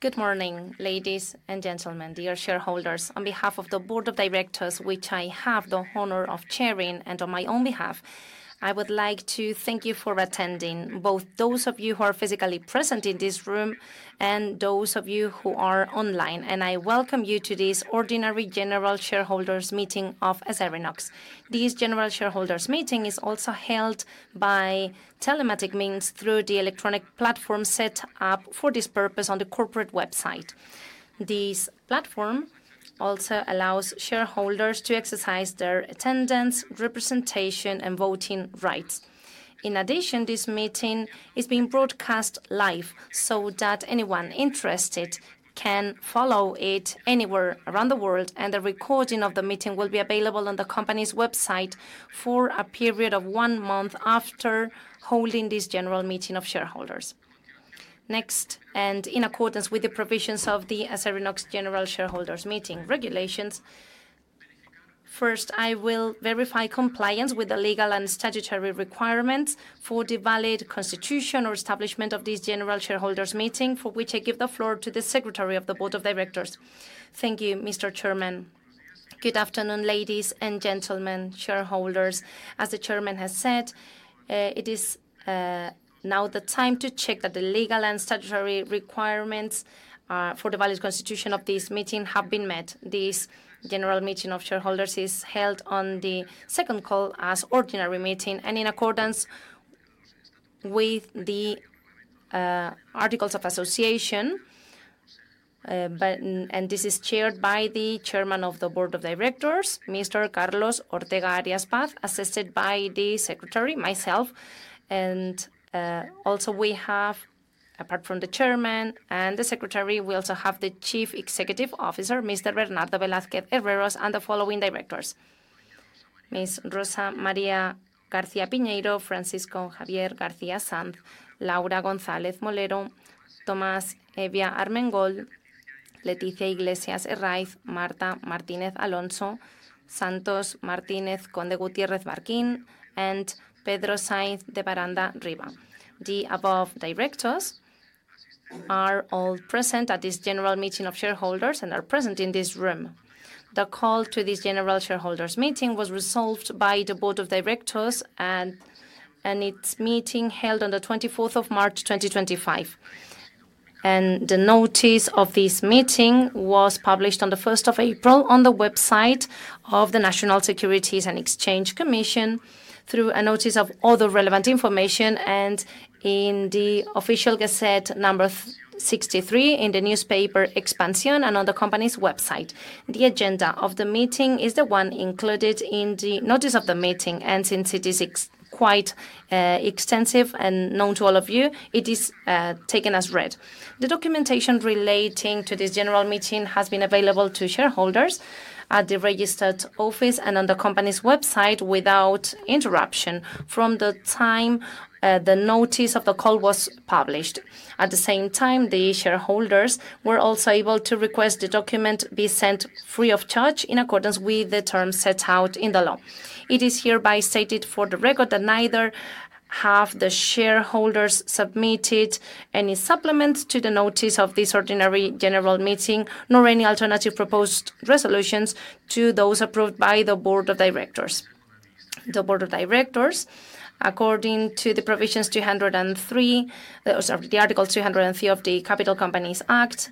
Good morning, ladies and gentlemen, dear shareholders. On behalf of the Board of Directors, which I have the honor of chairing, and on my own behalf, I would like to thank you for attending, both those of you who are physically present in this room and those of you who are online. I welcome you to this Ordinary General Shareholders' Meeting of Acerinox. This General Shareholders' Meeting is also held by telematic means through the electronic platform set up for this purpose on the corporate website. This platform also allows shareholders to exercise their attendance, representation, and voting rights. In addition, this meeting is being broadcast live so that anyone interested can follow it anywhere around the world, and the recording of the meeting will be available on the company's website for a period of one month after holding this General Meeting of Shareholders. Next, and in accordance with the provisions of the Acerinox General Shareholders' Meeting regulations, first, I will verify compliance with the legal and statutory requirements for the valid constitution or establishment of this General Shareholders' Meeting, for which I give the floor to the Secretary of the Board of Directors. Thank you, Mr. Chairman. Good afternoon, ladies and gentlemen, shareholders. As the Chairman has said, it is now the time to check that the legal and statutory requirements for the valid constitution of this meeting have been met. This General Meeting of Shareholders is held on the second call as Ordinary Meeting, and in accordance with the Articles of Association, and this is chaired by the Chairman of the Board of Directors, Mr. Carlos Ortega Arias-Paz, assisted by the Secretary, myself. We have, apart from the Chairman and the Secretary, the Chief Executive Officer, Mr. Bernardo Velázquez Herreros, and the following directors: Ms. Rosa María García Piñeiro, Francisco Javier García Sanz, Laura González Molero, Tomás Evia Armengol, Leticia Iglesias Herraiz, Marta Martínez Alonso, Santos Martínez Conde Gutiérrez Barquín, and Pedro Sainz de Baranda Riva. The above directors are all present at this General Meeting of Shareholders and are present in this room. The call to this General Shareholders' Meeting was resolved by the Board of Directors at its meeting held on the 24th of March 2025. The notice of this meeting was published on the 1st of April on the website of the National Securities and Exchange Commission through a notice of all the relevant information and in the official gazette number 63 in the newspaper Expansion and on the company's website. The agenda of the meeting is the one included in the notice of the meeting, and since it is quite extensive and known to all of you, it is taken as read. The documentation relating to this General Meeting has been available to shareholders at the registered office and on the company's website without interruption from the time the notice of the call was published. At the same time, the shareholders were also able to request the document be sent free of charge in accordance with the terms set out in the law. It is hereby stated for the record that neither have the shareholders submitted any supplements to the notice of this Ordinary General Meeting nor any alternative proposed resolutions to those approved by the Board of Directors. The Board of Directors, according to the provisions 203, the Article 203 of the Capital Companies Act,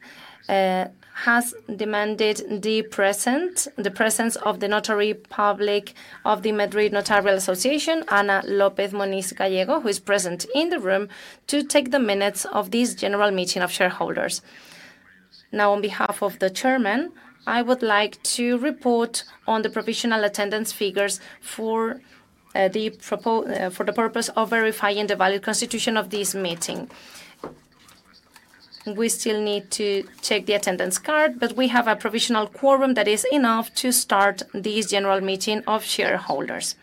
has demanded the presence of the notary public of the Madrid Notarial Association, Ana López Moniz Gallego, who is present in the room, to take the minutes of this General Meeting of Shareholders. Now, on behalf of the Chairman, I would like to report on the provisional attendance figures for the purpose of verifying the valid constitution of this meeting. We still need to check the attendance card, but we have a provisional quorum that is enough to start this General Meeting of Shareholders.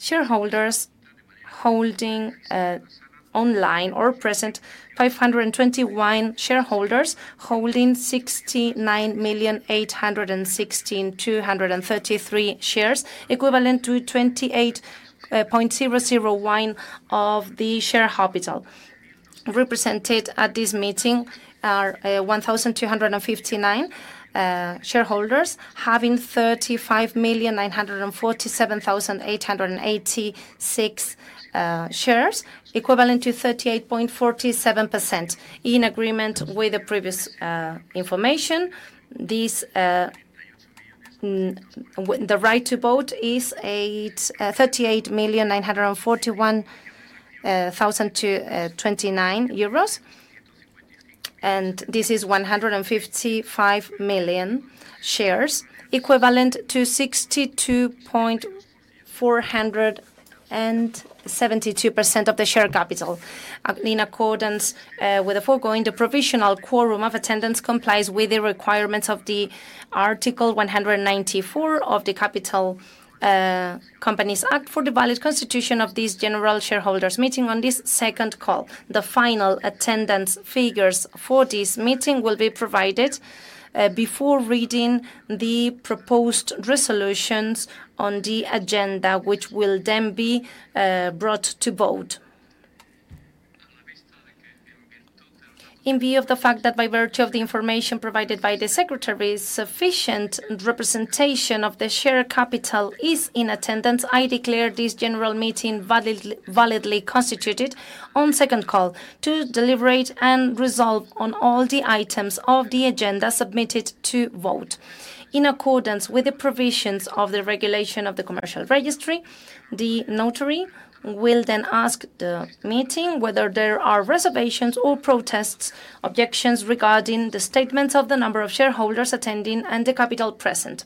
Shareholders holding online or present: 521 shareholders holding 69,816,233 shares, equivalent to 28.001% of the share capital. Represented at this meeting are 1,259 shareholders, having 35,947,886 shares, equivalent to 38.47%. In agreement with the previous information, the right to vote is EUR 38,941,029, and this is 155 million shares, equivalent to 62.472% of the share capital. In accordance with the foregoing, the provisional quorum of attendance complies with the requirements of Article 194 of the Capital Companies Act for the valid constitution of this General Shareholders' Meeting on this second call. The final attendance figures for this meeting will be provided before reading the proposed resolutions on the agenda, which will then be brought to vote. In view of the fact that by virtue of the information provided by the Secretary, sufficient representation of the share capital is in attendance, I declare this General Meeting validly constituted on second call to deliberate and resolve on all the items of the agenda submitted to vote. In accordance with the provisions of the Regulation of the Commercial Registry, the Notary will then ask the meeting whether there are reservations or protests, objections regarding the statements of the number of shareholders attending and the capital present.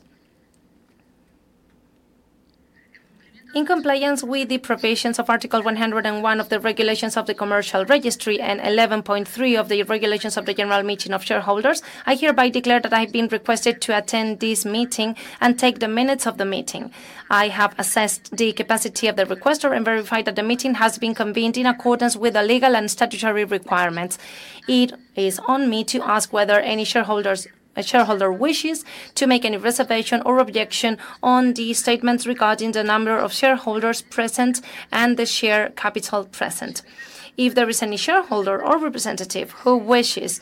In compliance with the provisions of Article 101 of the Regulations of the Commercial Registry and 11.3 of the Regulations of the General Meeting of Shareholders, I hereby declare that I have been requested to attend this meeting and take the minutes of the meeting. I have assessed the capacity of the requester and verified that the meeting has been convened in accordance with the legal and statutory requirements. It is on me to ask whether any shareholder wishes to make any reservation or objection on the statements regarding the number of shareholders present and the share capital present. If there is any shareholder or representative who wishes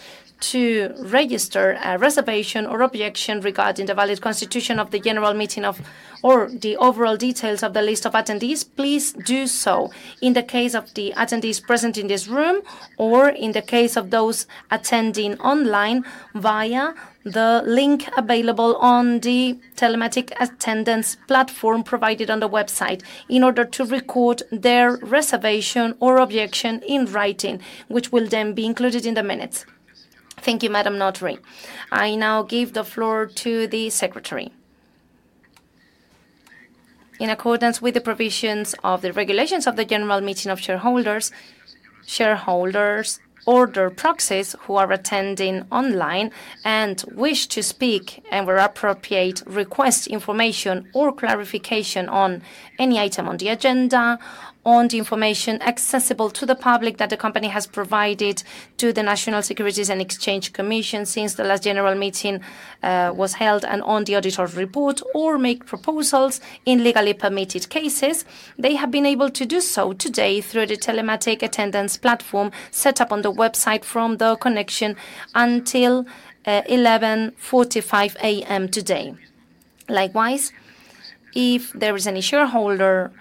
to register a reservation or objection regarding the valid constitution of the General Meeting or the overall details of the list of attendees, please do so in the case of the attendees present in this room or in the case of those attending online via the link available on the telematic attendance platform provided on the website in order to record their reservation or objection in writing, which will then be included in the minutes. Thank you, Madam Notary. I now give the floor to the Secretary. In accordance with the provisions of the Regulations of the General Meeting of Shareholders, shareholders or their proxies who are attending online and wish to speak and, where appropriate, request information or clarification on any item on the agenda, on the information accessible to the public that the company has provided to the National Securities and Exchange Commission since the last General Meeting was held and on the auditor report, or make proposals in legally permitted cases, they have been able to do so today through the telematic attendance platform set up on the website from the connection until 11:45 A.M. today. Likewise, if there is any shareholder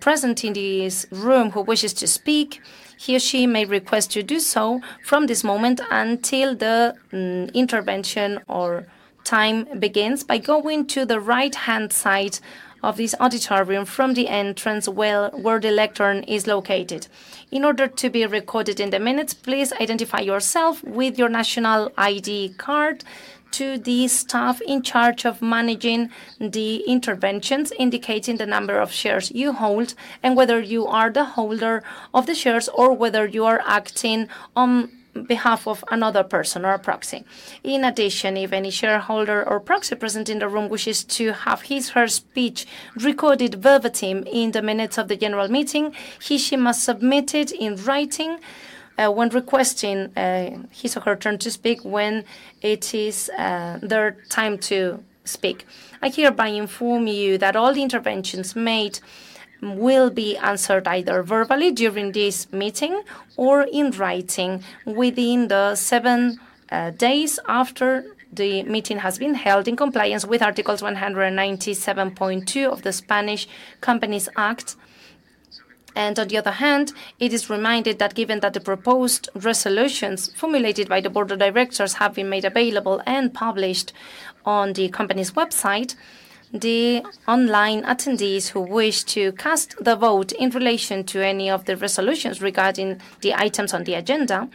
present in this room who wishes to speak, he or she may request to do so from this moment until the intervention or time begins by going to the right-hand side of this auditorium from the entrance where the lectern is located. In order to be recorded in the minutes, please identify yourself with your national ID card to the staff in charge of managing the interventions, indicating the number of shares you hold and whether you are the holder of the shares or whether you are acting on behalf of another person or a proxy. In addition, if any shareholder or proxy present in the room wishes to have his or her speech recorded verbatim in the minutes of the General Meeting, he or she must submit it in writing when requesting his or her turn to speak when it is their time to speak. I hereby inform you that all the interventions made will be answered either verbally during this meeting or in writing within the seven days after the meeting has been held in compliance with Article 197.2 of the Spanish Companies Act. On the other hand, it is reminded that given that the proposed resolutions formulated by the Board of Directors have been made available and published on the company's website, the online attendees who wish to cast the vote in relation to any of the resolutions regarding the items on the agenda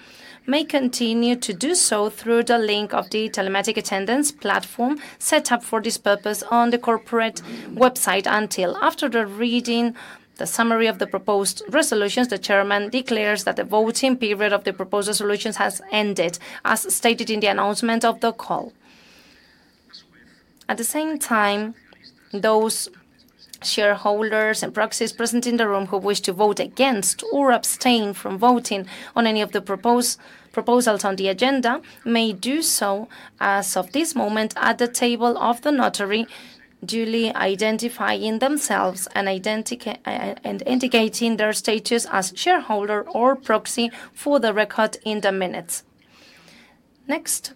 may continue to do so through the link of the telematic attendance platform set up for this purpose on the corporate website until after the reading of the summary of the proposed resolutions, the Chairman declares that the voting period of the proposed resolutions has ended, as stated in the announcement of the call. At the same time, those shareholders and proxies present in the room who wish to vote against or abstain from voting on any of the proposals on the agenda may do so as of this moment at the table of the Notary, duly identifying themselves and indicating their status as shareholder or proxy for the record in the minutes. Next,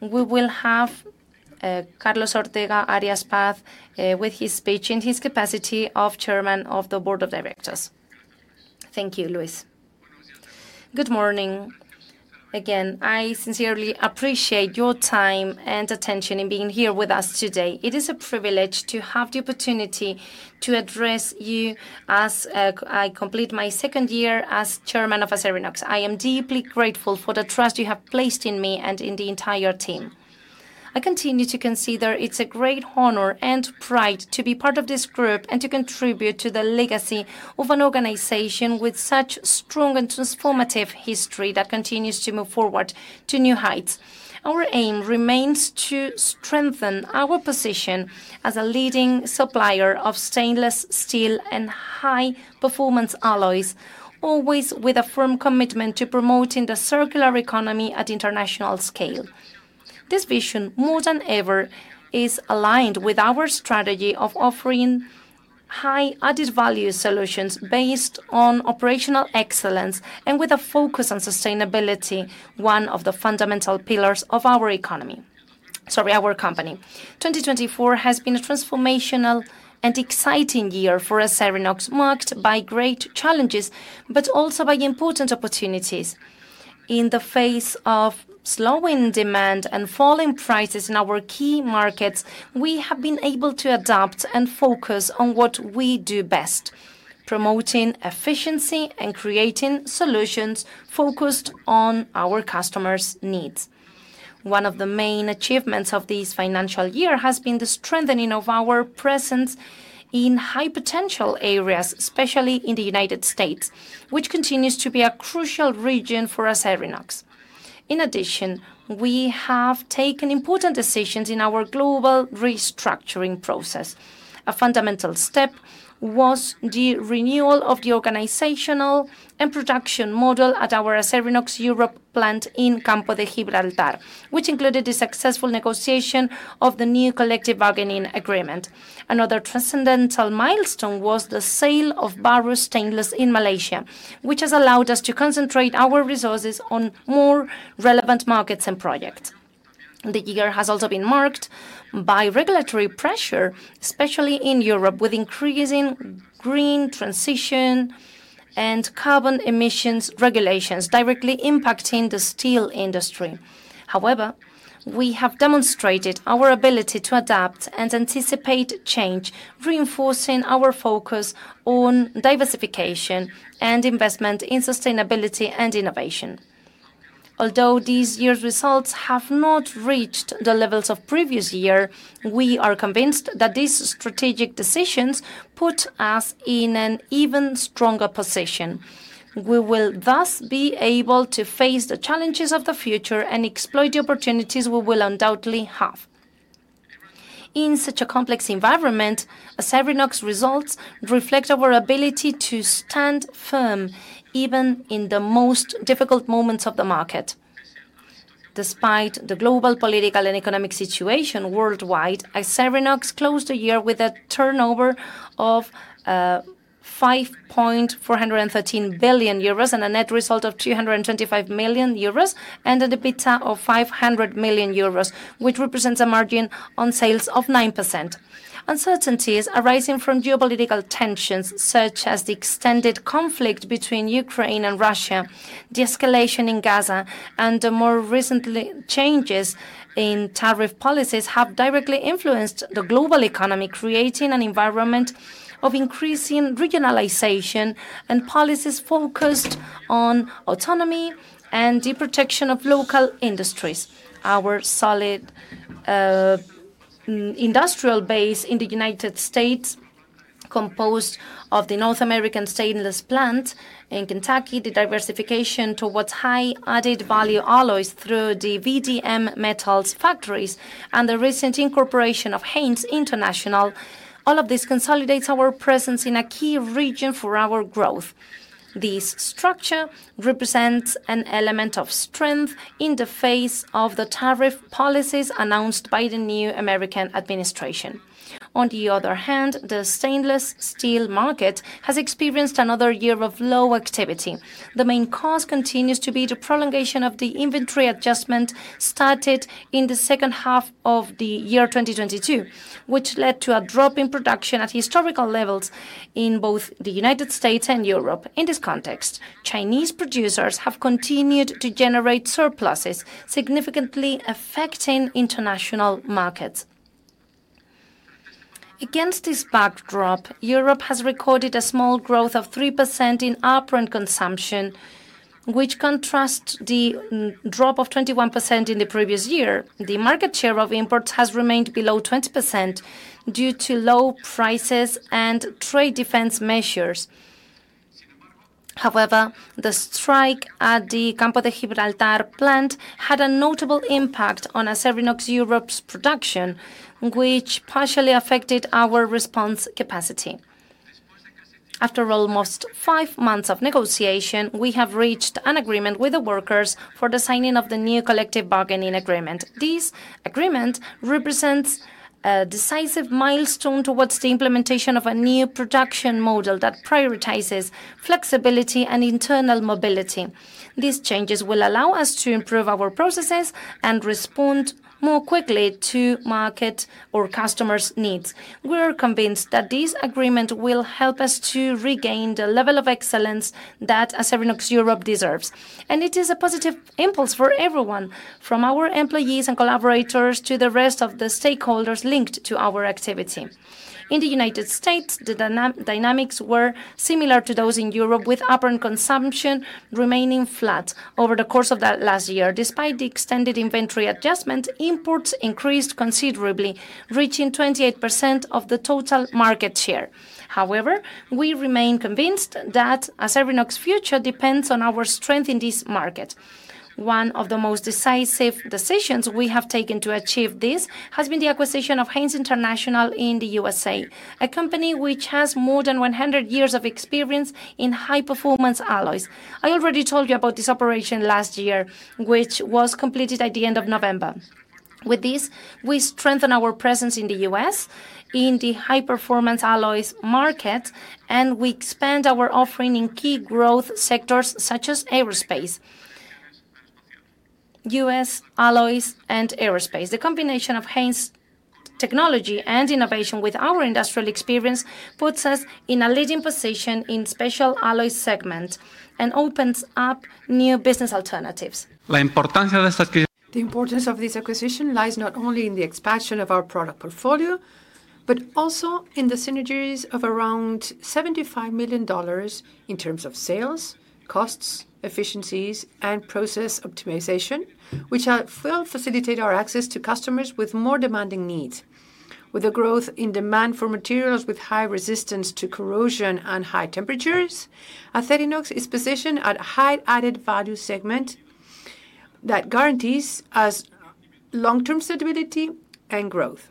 we will have Carlos Ortega Arias-Paz with his speech in his capacity of Chairman of the Board of Directors. Thank you, Luis. Good morning. Again, I sincerely appreciate your time and attention in being here with us today. It is a privilege to have the opportunity to address you as I complete my second year as Chairman of Acerinox. I am deeply grateful for the trust you have placed in me and in the entire team. I continue to consider it's a great honor and pride to be part of this group and to contribute to the legacy of an organization with such strong and transformative history that continues to move forward to new heights. Our aim remains to strengthen our position as a leading supplier of stainless steel and high-performance alloys, always with a firm commitment to promoting the circular economy at international scale. This vision, more than ever, is aligned with our strategy of offering high-added value solutions based on operational excellence and with a focus on sustainability, one of the fundamental pillars of our economy. Sorry, our company. 2024 has been a transformational and exciting year for Acerinox, marked by great challenges, but also by important opportunities. In the face of slowing demand and falling prices in our key markets, we have been able to adapt and focus on what we do best, promoting efficiency and creating solutions focused on our customers' needs. One of the main achievements of this financial year has been the strengthening of our presence in high-potential areas, especially in the United States, which continues to be a crucial region for Acerinox. In addition, we have taken important decisions in our global restructuring process. A fundamental step was the renewal of the organizational and production model at our Acerinox Europe plant in Campo de Gibraltar, which included the successful negotiation of the new collective bargaining agreement. Another transcendental milestone was the sale of Bahru Stainless in Malaysia, which has allowed us to concentrate our resources on more relevant markets and projects. The year has also been marked by regulatory pressure, especially in Europe, with increasing green transition and carbon emissions regulations directly impacting the steel industry. However, we have demonstrated our ability to adapt and anticipate change, reinforcing our focus on diversification and investment in sustainability and innovation. Although this year's results have not reached the levels of the previous year, we are convinced that these strategic decisions put us in an even stronger position. We will thus be able to face the challenges of the future and exploit the opportunities we will undoubtedly have. In such a complex environment, Acerinox results reflect our ability to stand firm even in the most difficult moments of the market. Despite the global political and economic situation worldwide, Acerinox closed the year with a turnover of 5.413 billion euros and a net result of 325 million euros and a debitor of 500 million euros, which represents a margin on sales of 9%. Uncertainties arising from geopolitical tensions, such as the extended conflict between Ukraine and Russia, the escalation in Gaza, and the more recent changes in tariff policies have directly influenced the global economy, creating an environment of increasing regionalization and policies focused on autonomy and the protection of local industries. Our solid industrial base in the United States, composed of the North American Stainless plant in Kentucky, the diversification towards high-added value alloys through the VDM Metals factories, and the recent incorporation of Haynes International, all of this consolidates our presence in a key region for our growth. This structure represents an element of strength in the face of the tariff policies announced by the new American administration. On the other hand, the stainless steel market has experienced another year of low activity. The main cause continues to be the prolongation of the inventory adjustment started in the second half of the year 2022, which led to a drop in production at historical levels in both the United States and Europe. In this context, Chinese producers have continued to generate surpluses, significantly affecting international markets. Against this backdrop, Europe has recorded a small growth of 3% in upper-end consumption, which contrasts the drop of 21% in the previous year. The market share of imports has remained below 20% due to low prices and trade defense measures. However, the strike at the Campo de Gibraltar plant had a notable impact on Acerinox Europe's production, which partially affected our response capacity. After almost five months of negotiation, we have reached an agreement with the workers for the signing of the new collective bargaining agreement. This agreement represents a decisive milestone towards the implementation of a new production model that prioritizes flexibility and internal mobility. These changes will allow us to improve our processes and respond more quickly to market or customers' needs. We are convinced that this agreement will help us to regain the level of excellence that Acerinox Europe deserves, and it is a positive impulse for everyone, from our employees and collaborators to the rest of the stakeholders linked to our activity. In the U.S., the dynamics were similar to those in Europe, with upper-end consumption remaining flat over the course of the last year. Despite the extended inventory adjustment, imports increased considerably, reaching 28% of the total market share. However, we remain convinced that Acerinox's future depends on our strength in this market. One of the most decisive decisions we have taken to achieve this has been the acquisition of Haynes International in the US, a company which has more than 100 years of experience in high-performance alloys. I already told you about this operation last year, which was completed at the end of November. With this, we strengthen our presence in the US in the high-performance alloys market, and we expand our offering in key growth sectors such as aerospace, US alloys, and aerospace. The combination of Haynes technology and innovation with our industrial experience puts us in a leading position in the special alloy segment and opens up new business alternatives. La importancia de esta. The importance of this acquisition lies not only in the expansion of our product portfolio, but also in the synergies of around $75 million in terms of sales, costs, efficiencies, and process optimization, which will facilitate our access to customers with more demanding needs. With the growth in demand for materials with high resistance to corrosion and high temperatures, Acerinox is positioned at a high-added value segment that guarantees us long-term stability and growth.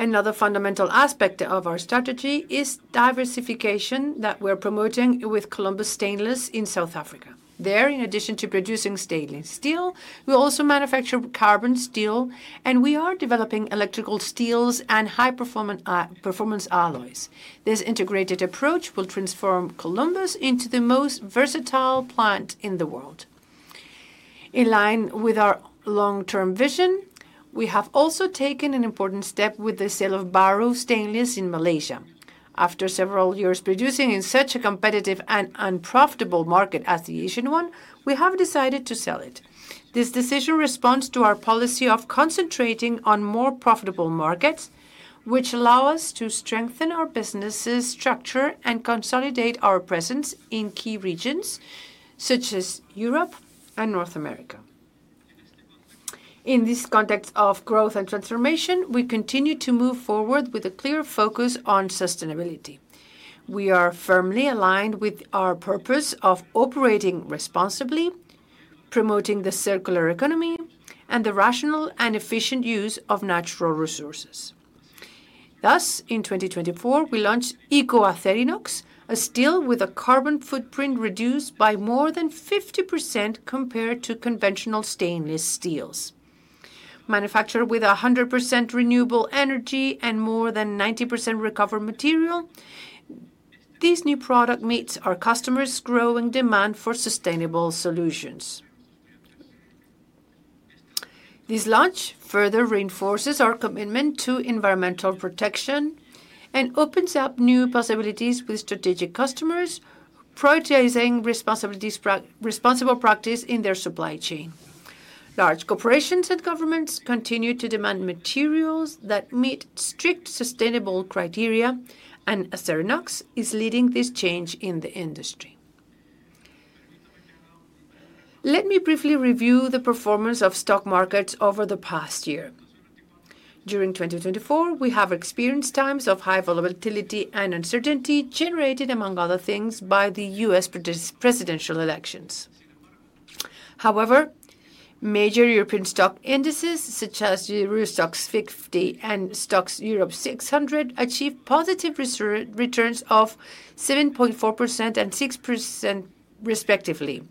Another fundamental aspect of our strategy is diversification that we're promoting with Columbus Stainless in South Africa. There, in addition to producing stainless steel, we also manufacture carbon steel, and we are developing electrical steels and high-performance alloys. This integrated approach will transform Columbus into the most versatile plant in the world. In line with our long-term vision, we have also taken an important step with the sale of Bahru Stainless in Malaysia. After several years producing in such a competitive and unprofitable market as the Asian one, we have decided to sell it. This decision responds to our policy of concentrating on more profitable markets, which allow us to strengthen our businesses' structure and consolidate our presence in key regions such as Europe and North America. In this context of growth and transformation, we continue to move forward with a clear focus on sustainability. We are firmly aligned with our purpose of operating responsibly, promoting the circular economy, and the rational and efficient use of natural resources. Thus, in 2024, we launched EcoACX, a steel with a carbon footprint reduced by more than 50% compared to conventional stainless steels. Manufactured with 100% renewable energy and more than 90% recovered material, this new product meets our customers' growing demand for sustainable solutions. This launch further reinforces our commitment to environmental protection and opens up new possibilities with strategic customers, prioritizing responsible practice in their supply chain. Large corporations and governments continue to demand materials that meet strict sustainable criteria, and Acerinox is leading this change in the industry. Let me briefly review the performance of stock markets over the past year. During 2024, we have experienced times of high volatility and uncertainty generated, among other things, by the U.S. presidential elections. However, major European stock indices such as the Euro Stoxx 50 and Stoxx Europe 600 achieved positive returns of 7.4% and 6%, respectively.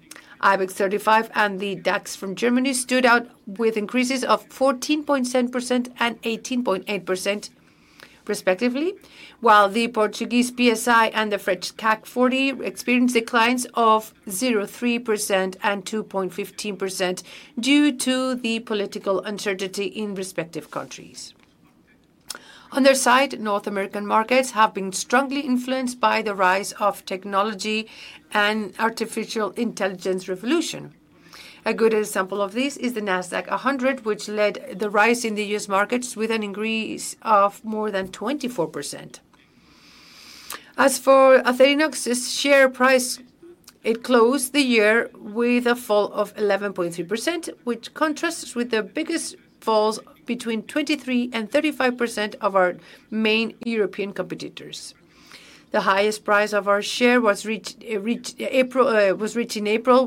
IBEX 35 and the DAX from Germany stood out with increases of 14.7% and 18.8%, respectively, while the Portuguese PSI and the French CAC 40 experienced declines of 0.3% and 2.15% due to the political uncertainty in respective countries. On their side, North American markets have been strongly influenced by the rise of technology and artificial intelligence revolution. A good example of this is the Nasdaq 100, which led the rise in the U.S. markets with an increase of more than 24%. As for Acerinox, its share price, it closed the year with a fall of 11.3%, which contrasts with the biggest falls between 23% and 35% of our main European competitors. The highest price of our share was reached in April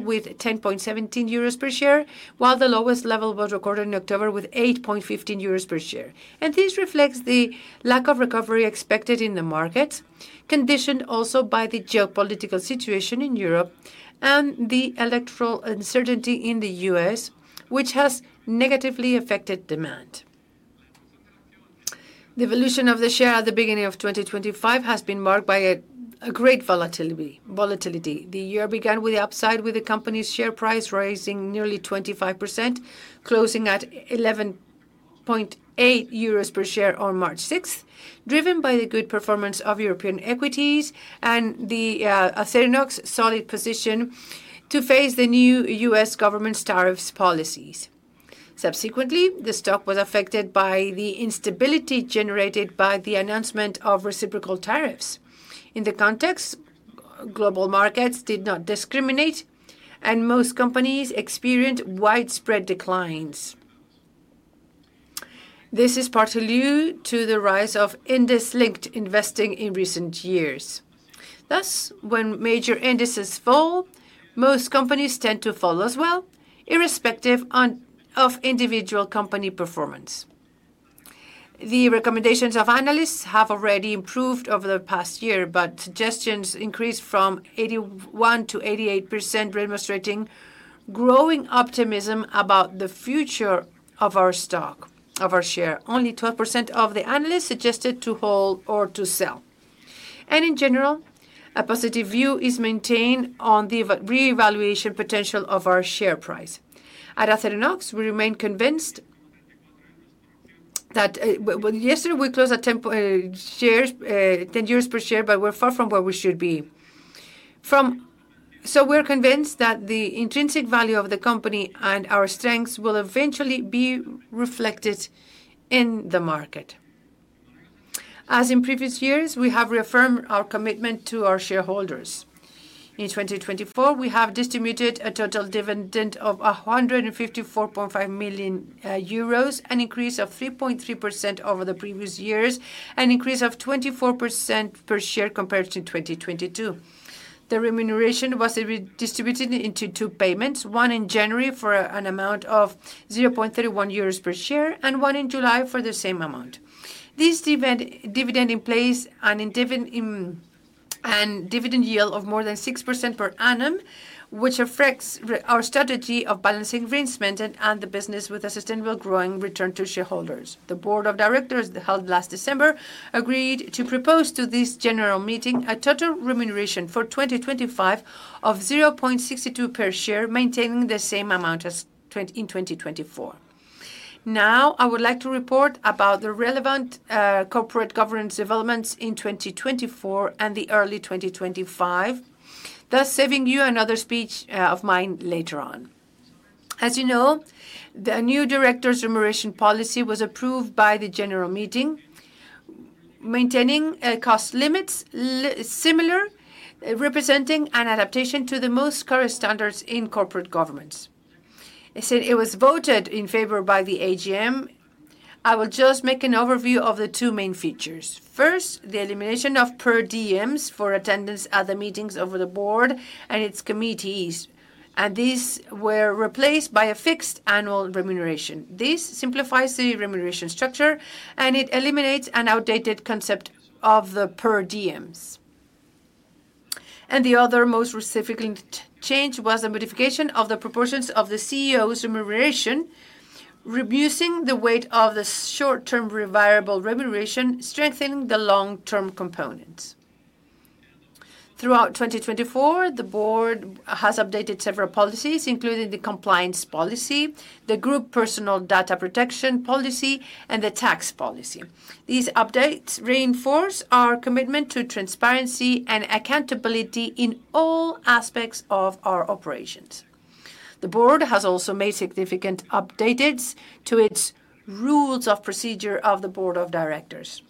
with 10.17 euros per share, while the lowest level was recorded in October with 8.15 euros per share. This reflects the lack of recovery expected in the markets, conditioned also by the geopolitical situation in Europe and the electoral uncertainty in the U.S., which has negatively affected demand. The evolution of the share at the beginning of 2025 has been marked by a great volatility. The year began with the upside with the company's share price rising nearly 25%, closing at 11.8 euros per share on March 6, driven by the good performance of European equities and Acerinox's solid position to face the new U.S. government's tariff policies. Subsequently, the stock was affected by the instability generated by the announcement of reciprocal tariffs. In the context, global markets did not discriminate, and most companies experienced widespread declines. This is partly due to the rise of index-linked investing in recent years. Thus, when major indices fall, most companies tend to follow as well, irrespective of individual company performance. The recommendations of analysts have already improved over the past year, but suggestions increased from 81% to 88%, demonstrating growing optimism about the future of our stock, of our share. Only 12% of the analysts suggested to hold or to sell. In general, a positive view is maintained on the reevaluation potential of our share price. At Acerinox, we remain convinced that yesterday we closed at 10 per share, but we're far from where we should be. We're convinced that the intrinsic value of the company and our strengths will eventually be reflected in the market. As in previous years, we have reaffirmed our commitment to our shareholders. In 2024, we have distributed a total dividend of 154.5 million euros, an increase of 3.3% over the previous years, and an increase of 24% per share compared to 2022. The remuneration was distributed into two payments, one in January for an amount of 0.31 euros per share and one in July for the same amount. This dividend in place and dividend yield of more than 6% per annum, which affects our strategy of balancing reinvestment in the business with a sustainable growing return to shareholders. The Board of Directors held last December agreed to propose to this general meeting a total remuneration for 2025 of 0.62 per share, maintaining the same amount as in 2024. Now, I would like to report about the relevant corporate governance developments in 2024 and the early 2025, thus saving you another speech of mine later on. As you know, the new directors' remuneration policy was approved by the general meeting, maintaining cost limits similar, representing an adaptation to the most current standards in corporate governance. It was voted in favor by the AGM. I will just make an overview of the two main features. First, the elimination of per diems for attendance at the meetings of the board and its committees, and these were replaced by a fixed annual remuneration. This simplifies the remuneration structure and it eliminates an outdated concept of the per diems. The other most significant change was the modification of the proportions of the CEO's remuneration, reducing the weight of the short-term reversible remuneration, strengthening the long-term components. Throughout 2024, the board has updated several policies, including the compliance policy, the group personal data protection policy, and the tax policy. These updates reinforce our commitment to transparency and accountability in all aspects of our operations. The board has also made significant updates to its rules of procedure of the board of directors.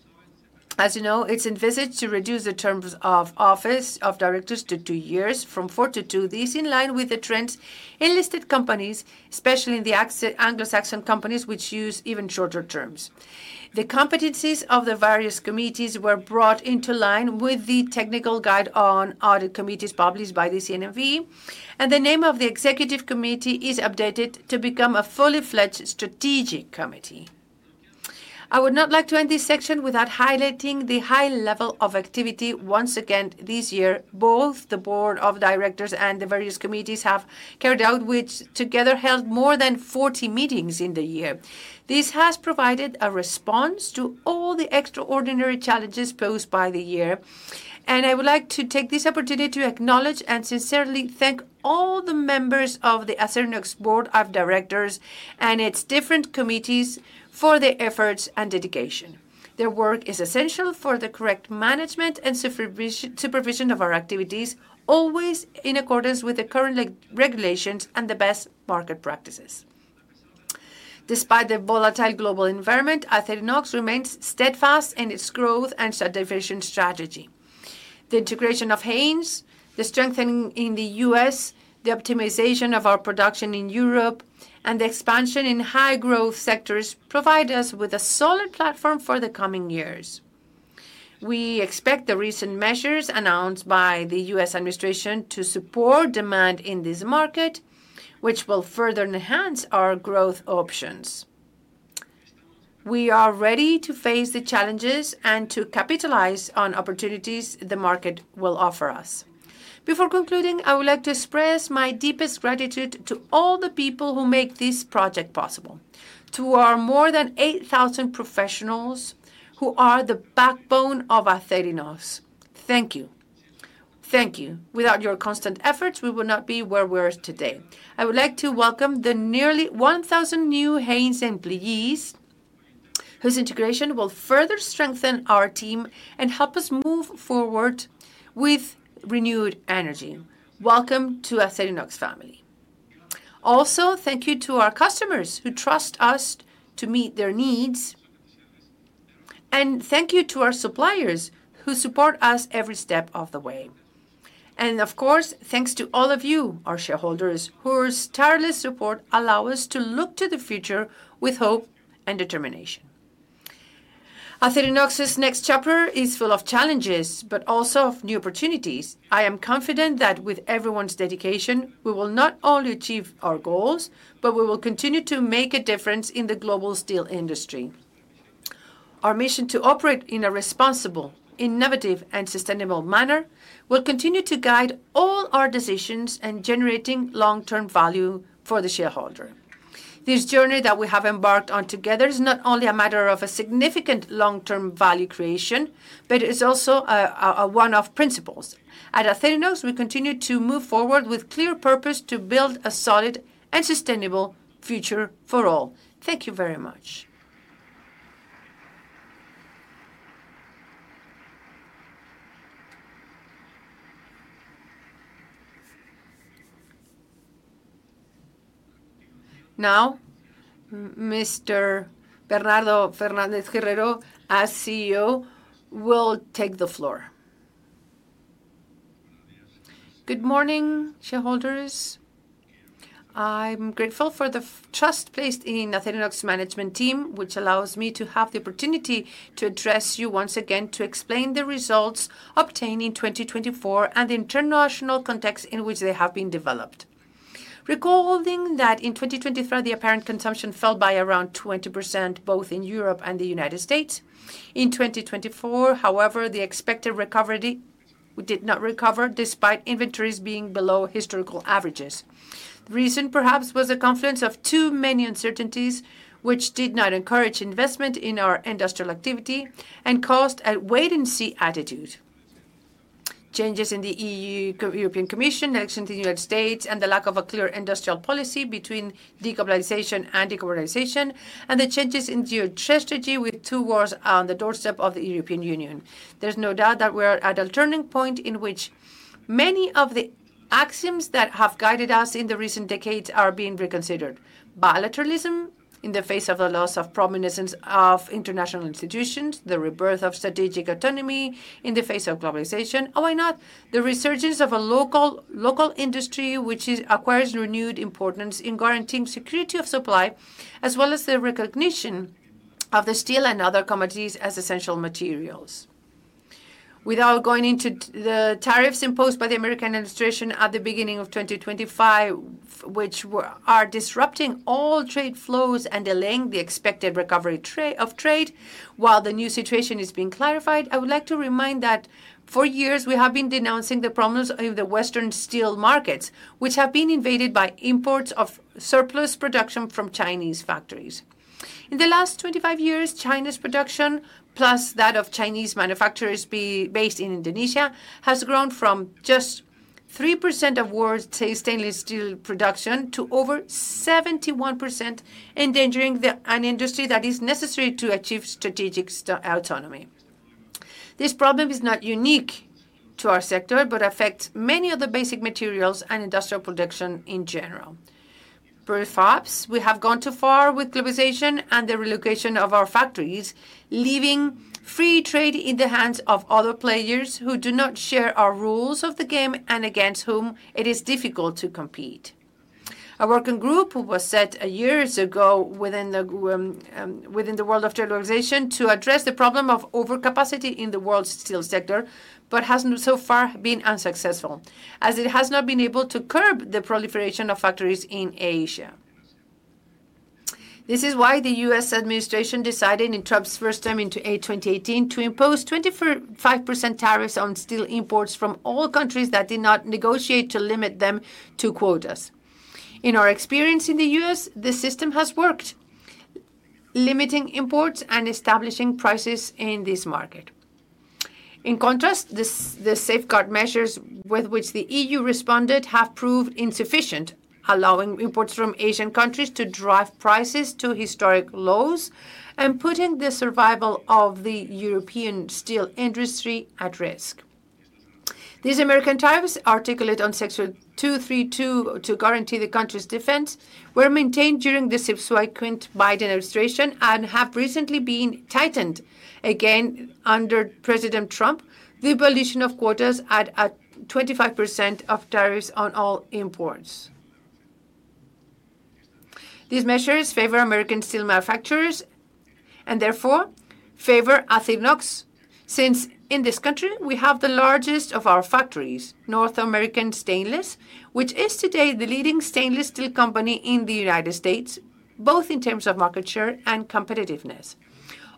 As you know, it's envisaged to reduce the terms of office of directors to two years, from four to two. This is in line with the trends in listed companies, especially in the Anglo-Saxon companies, which use even shorter terms. The competencies of the various committees were brought into line with the technical guide on audit committees published by the CNMV, and the name of the executive committee is updated to become a fully-fledged strategic committee. I would not like to end this section without highlighting the high level of activity once again this year. Both the board of directors and the various committees have carried out, which together held more than 40 meetings in the year. This has provided a response to all the extraordinary challenges posed by the year, and I would like to take this opportunity to acknowledge and sincerely thank all the members of the Acerinox board of directors and its different committees for their efforts and dedication. Their work is essential for the correct management and supervision of our activities, always in accordance with the current regulations and the best market practices. Despite the volatile global environment, Acerinox remains steadfast in its growth and strategic strategy. The integration of Haynes, the strengthening in the US, the optimization of our production in Europe, and the expansion in high-growth sectors provide us with a solid platform for the coming years. We expect the recent measures announced by the US administration to support demand in this market, which will further enhance our growth options. We are ready to face the challenges and to capitalize on opportunities the market will offer us. Before concluding, I would like to express my deepest gratitude to all the people who make this project possible, to our more than 8,000 professionals who are the backbone of Acerinox. Thank you. Thank you. Without your constant efforts, we would not be where we are today. I would like to welcome the nearly 1,000 new Haynes employees, whose integration will further strengthen our team and help us move forward with renewed energy. Welcome to the Acerinox family. Also, thank you to our customers who trust us to meet their needs, and thank you to our suppliers who support us every step of the way. Of course, thanks to all of you, our shareholders, whose tireless support allows us to look to the future with hope and determination. Acerinox's next chapter is full of challenges, but also of new opportunities. I am confident that with everyone's dedication, we will not only achieve our goals, but we will continue to make a difference in the global steel industry. Our mission to operate in a responsible, innovative, and sustainable manner will continue to guide all our decisions in generating long-term value for the shareholder. This journey that we have embarked on together is not only a matter of a significant long-term value creation, but it is also one of principles. At Acerinox, we continue to move forward with clear purpose to build a solid and sustainable future for all. Thank you very much. Now, Mr. Bernardo Velázquez Herrero, as CEO, will take the floor. Good morning, shareholders. I'm grateful for the trust placed in the Acerinox management team, which allows me to have the opportunity to address you once again to explain the results obtained in 2024 and the international context in which they have been developed. Recalling that in 2023, the apparent consumption fell by around 20% both in Europe and the United States. In 2024, however, the expected recovery did not recover despite inventories being below historical averages. The reason perhaps was the confluence of too many uncertainties, which did not encourage investment in our industrial activity and caused a wait-and-see attitude. Changes in the European Commission, elections in the United States, and the lack of a clear industrial policy between decarbonization and decarbonization, and the changes in geostrategy with two wars on the doorstep of the European Union. There's no doubt that we are at a turning point in which many of the axioms that have guided us in the recent decades are being reconsidered. Bilateralism in the face of the loss of prominence of international institutions, the rebirth of strategic autonomy in the face of globalization, or why not the resurgence of a local industry which acquires renewed importance in guaranteeing security of supply, as well as the recognition of steel and other commodities as essential materials. Without going into the tariffs imposed by the American administration at the beginning of 2025, which are disrupting all trade flows and delaying the expected recovery of trade, while the new situation is being clarified, I would like to remind that for years we have been denouncing the problems in the Western steel markets, which have been invaded by imports of surplus production from Chinese factories. In the last 25 years, China's production, plus that of Chinese manufacturers based in Indonesia, has grown from just 3% of world stainless steel production to over 71%, endangering an industry that is necessary to achieve strategic autonomy. This problem is not unique to our sector, but affects many of the basic materials and industrial production in general. Perhaps we have gone too far with globalization and the relocation of our factories, leaving free trade in the hands of other players who do not share our rules of the game and against whom it is difficult to compete. A working group was set years ago within the world of globalization to address the problem of overcapacity in the world steel sector, but has so far been unsuccessful, as it has not been able to curb the proliferation of factories in Asia. This is why the U.S. administration decided in Trump's first term into 2018 to impose 25% tariffs on steel imports from all countries that did not negotiate to limit them to quotas. In our experience in the U.S., the system has worked, limiting imports and establishing prices in this market. In contrast, the safeguard measures with which the EU responded have proved insufficient, allowing imports from Asian countries to drive prices to historic lows and putting the survival of the European steel industry at risk. These American tariffs, articulated on Section 232 to guarantee the country's defense, were maintained during the subsequent Biden administration and have recently been tightened again under President Trump, the abolition of quotas at 25% of tariffs on all imports. These measures favor American steel manufacturers and therefore favor Acerinox, since in this country we have the largest of our factories, North American Stainless, which is today the leading stainless steel company in the United States, both in terms of market share and competitiveness.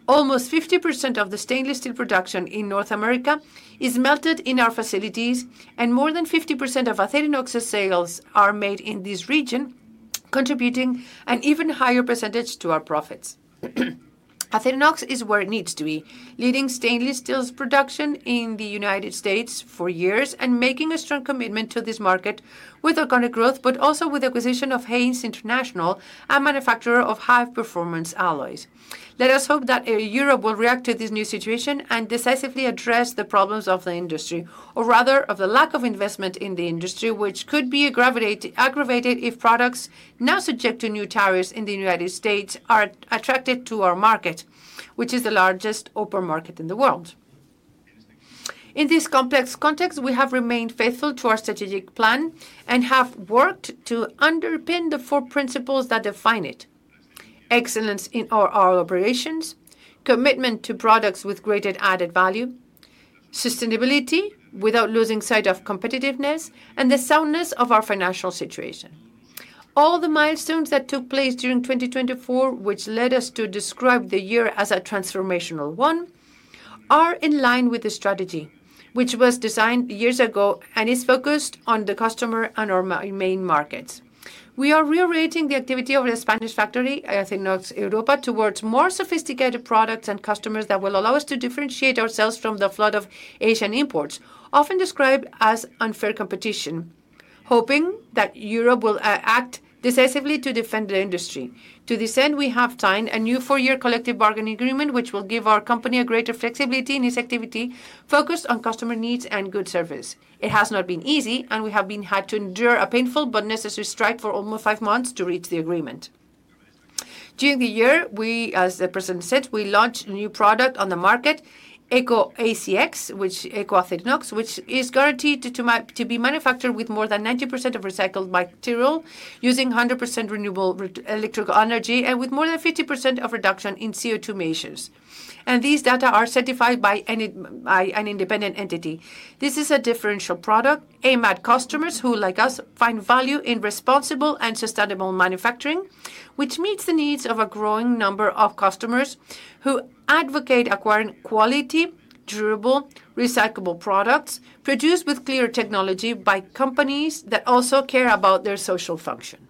Almost 50% of the stainless steel production in North America is melted in our facilities, and more than 50% of Acerinox's sales are made in this region, contributing an even higher percentage to our profits. Acerinox is where it needs to be, leading stainless steel's production in the United States for years and making a strong commitment to this market with organic growth, but also with the acquisition of Haynes International, a manufacturer of high-performance alloys. Let us hope that Europe will react to this new situation and decisively address the problems of the industry, or rather of the lack of investment in the industry, which could be aggravated if products now subject to new tariffs in the United States are attracted to our market, which is the largest open market in the world. In this complex context, we have remained faithful to our strategic plan and have worked to underpin the four principles that define it: excellence in our operations, commitment to products with greater added value, sustainability without losing sight of competitiveness, and the soundness of our financial situation. All the milestones that took place during 2024, which led us to describe the year as a transformational one, are in line with the strategy, which was designed years ago and is focused on the customer and our main markets. We are reorienting the activity of the Spanish factory, Acerinox Europa, towards more sophisticated products and customers that will allow us to differentiate ourselves from the flood of Asian imports, often described as unfair competition, hoping that Europe will act decisively to defend the industry. To this end, we have signed a new four-year collective bargaining agreement, which will give our company greater flexibility in its activity, focused on customer needs and good service. It has not been easy, and we have had to endure a painful but necessary strike for almost five months to reach the agreement. During the year, we, as the president said, we launched a new product on the market, EcoACX, which is guaranteed to be manufactured with more than 90% of recycled material, using 100% renewable electrical energy, and with more than 50% of reduction in CO2 emissions. These data are certified by an independent entity. This is a differential product. AMAD customers who, like us, find value in responsible and sustainable manufacturing, which meets the needs of a growing number of customers who advocate acquiring quality, durable, recyclable products produced with clear technology by companies that also care about their social function.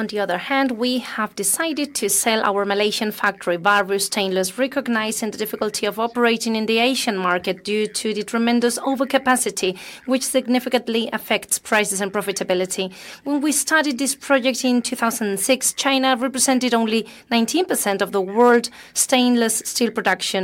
On the other hand, we have decided to sell our Malaysian factory, Bahru Stainless, recognizing the difficulty of operating in the Asian market due to the tremendous overcapacity, which significantly affects prices and profitability. When we started this project in 2006, China represented only 19% of the world stainless steel production,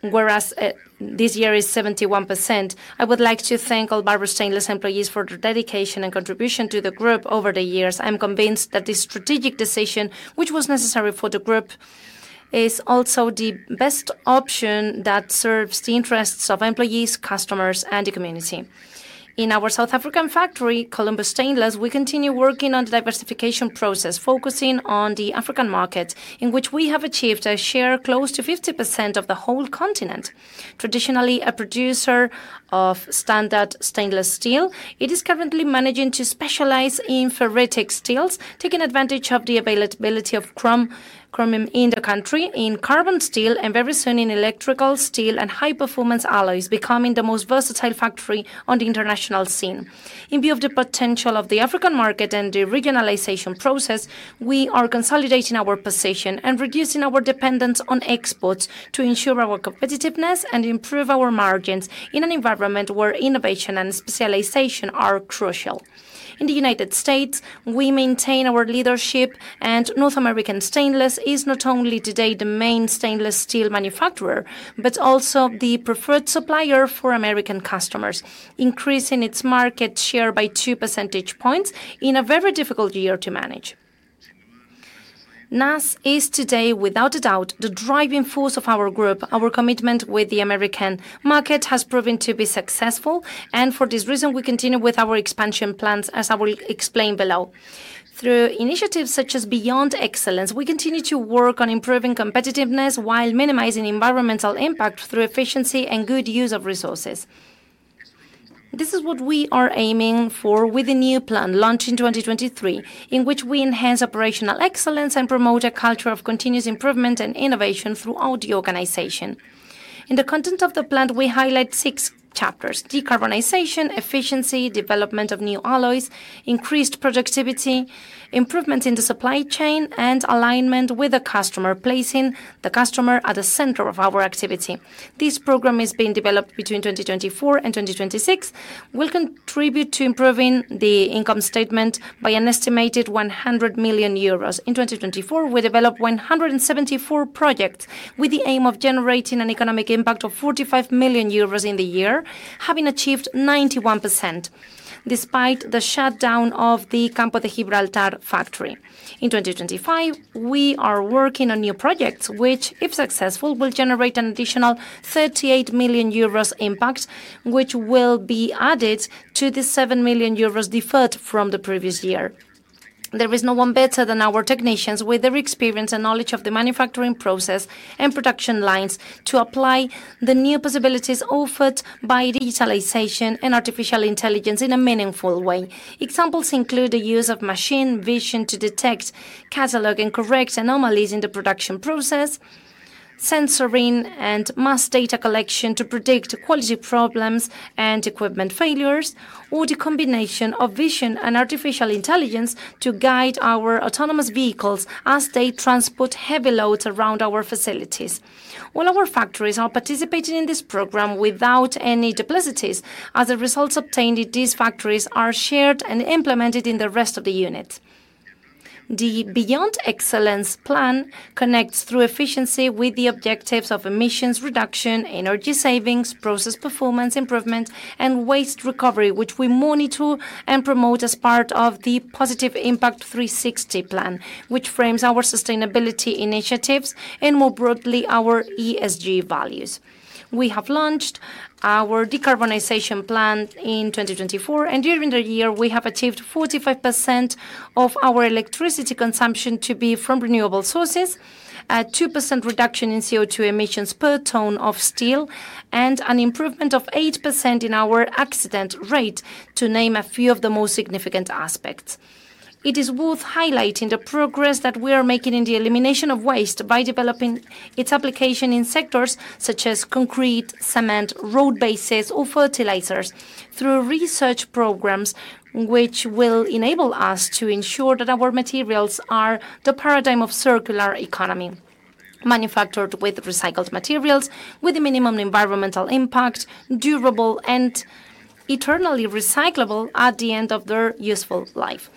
whereas this year is 71%. I would like to thank all Bahru Stainless employees for their dedication and contribution to the group over the years. I'm convinced that this strategic decision, which was necessary for the group, is also the best option that serves the interests of employees, customers, and the community. In our South African factory, Columbus Stainless, we continue working on the diversification process, focusing on the African market, in which we have achieved a share close to 50% of the whole continent. Traditionally a producer of standard stainless steel, it is currently managing to specialize in ferritic steels, taking advantage of the availability of chromium in the country in carbon steel, and very soon in electrical steel and high-performance alloys, becoming the most versatile factory on the international scene. In view of the potential of the African market and the regionalization process, we are consolidating our position and reducing our dependence on exports to ensure our competitiveness and improve our margins in an environment where innovation and specialization are crucial. In the United States, we maintain our leadership, and North American Stainless is not only today the main stainless steel manufacturer, but also the preferred supplier for American customers, increasing its market share by 2 percentage points in a very difficult year to manage. NAS is today, without a doubt, the driving force of our group. Our commitment with the American market has proven to be successful, and for this reason, we continue with our expansion plans, as I will explain below. Through initiatives such as Beyond Excellence, we continue to work on improving competitiveness while minimizing environmental impact through efficiency and good use of resources. This is what we are aiming for with the new plan launched in 2023, in which we enhance operational excellence and promote a culture of continuous improvement and innovation throughout the organization. In the content of the plan, we highlight six chapters: decarbonization, efficiency, development of new alloys, increased productivity, improvements in the supply chain, and alignment with the customer, placing the customer at the center of our activity. This program is being developed between 2024 and 2026. We'll contribute to improving the income statement by an estimated 100 million euros. In 2024, we developed 174 projects with the aim of generating an economic impact of 45 million euros in the year, having achieved 91%, despite the shutdown of the Campo de Gibraltar factory. In 2025, we are working on new projects, which, if successful, will generate an additional 38 million euros impact, which will be added to the 7 million euros deferred from the previous year. There is no one better than our technicians, with their experience and knowledge of the manufacturing process and production lines, to apply the new possibilities offered by digitalization and artificial intelligence in a meaningful way. Examples include the use of machine vision to detect, catalog, and correct anomalies in the production process, sensoring and mass data collection to predict quality problems and equipment failures, or the combination of vision and artificial intelligence to guide our autonomous vehicles as they transport heavy loads around our facilities. All our factories are participating in this program without any duplicities, as the results obtained at these factories are shared and implemented in the rest of the units. The Beyond Excellence plan connects through efficiency with the objectives of emissions reduction, energy savings, process performance improvement, and waste recovery, which we monitor and promote as part of the Positive Impact 360 plan, which frames our sustainability initiatives and, more broadly, our ESG values. We have launched our decarbonization plan in 2024, and during the year, we have achieved 45% of our electricity consumption to be from renewable sources, a 2% reduction in CO2 emissions per ton of steel, and an improvement of 8% in our accident rate, to name a few of the most significant aspects. It is worth highlighting the progress that we are making in the elimination of waste by developing its application in sectors such as concrete, cement, road bases, or fertilizers, through research programs which will enable us to ensure that our materials are the paradigm of circular economy, manufactured with recycled materials, with a minimum environmental impact, durable, and eternally recyclable at the end of their useful life.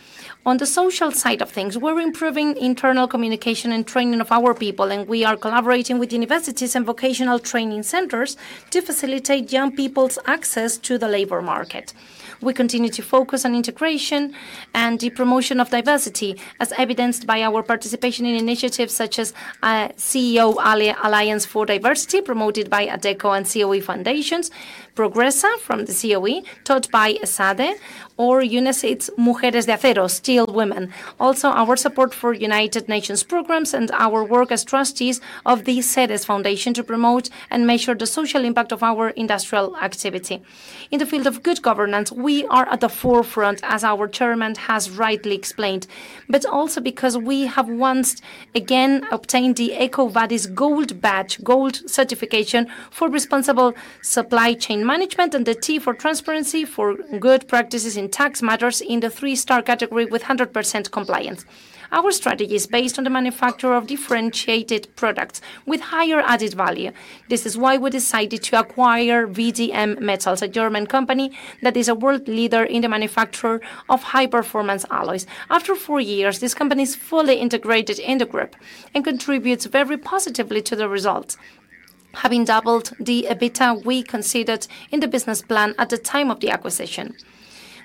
On the social side of things, we're improving internal communication and training of our people, and we are collaborating with universities and vocational training centers to facilitate young people's access to the labor market. We continue to focus on integration and the promotion of diversity, as evidenced by our participation in initiatives such as CEO Alliance for Diversity, promoted by ADECO and COE Foundations, Progressa from the COE, taught by ESADE, or UNESCO's Mujeres de Acero, Steel Women. Also, our support for United Nations programs and our work as trustees of the Ceres Foundation to promote and measure the social impact of our industrial activity. In the field of good governance, we are at the forefront, as our Chairman has rightly explained, but also because we have once again obtained the EcoVadis Gold Badge, gold certification for responsible supply chain management and the T for Transparency for Good Practices in Tax Matters in the three-star category with 100% compliance. Our strategy is based on the manufacture of differentiated products with higher added value. This is why we decided to acquire VDM Metals, a German company that is a world leader in the manufacture of high-performance alloys. After four years, this company is fully integrated in the group and contributes very positively to the results, having doubled the EBITDA we considered in the business plan at the time of the acquisition.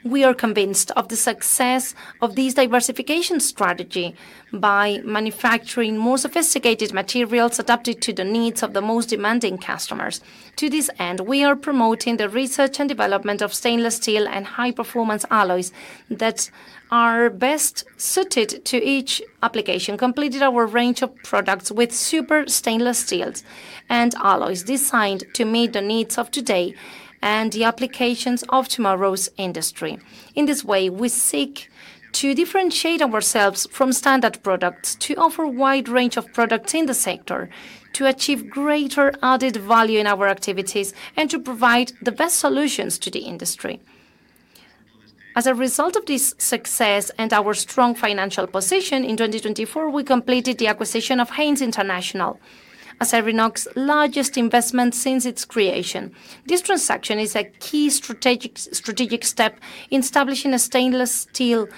We are convinced of the success of this diversification strategy by manufacturing more sophisticated materials adapted to the needs of the most demanding customers. To this end, we are promoting the research and development of stainless steel and high-performance alloys that are best suited to each application, completing our range of products with super stainless steels and alloys designed to meet the needs of today and the applications of tomorrow's industry. In this way, we seek to differentiate ourselves from standard products to offer a wide range of products in the sector, to achieve greater added value in our activities, and to provide the best solutions to the industry. As a result of this success and our strong financial position, in 2024, we completed the acquisition of Haynes International, Acerinox's largest investment since its creation. This transaction is a key strategic step in establishing a stainless steel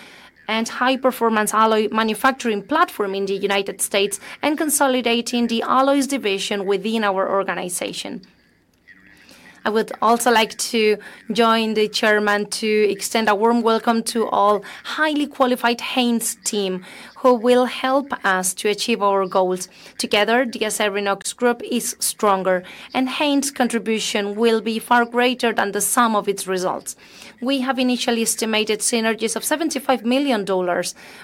and high-performance alloy manufacturing platform in the United States and consolidating the alloys division within our organization. I would also like to join the Chairman to extend a warm welcome to all highly qualified Haynes team who will help us to achieve our goals. Together, the Acerinox group is stronger, and Haynes's contribution will be far greater than the sum of its results. We have initially estimated synergies of $75 million,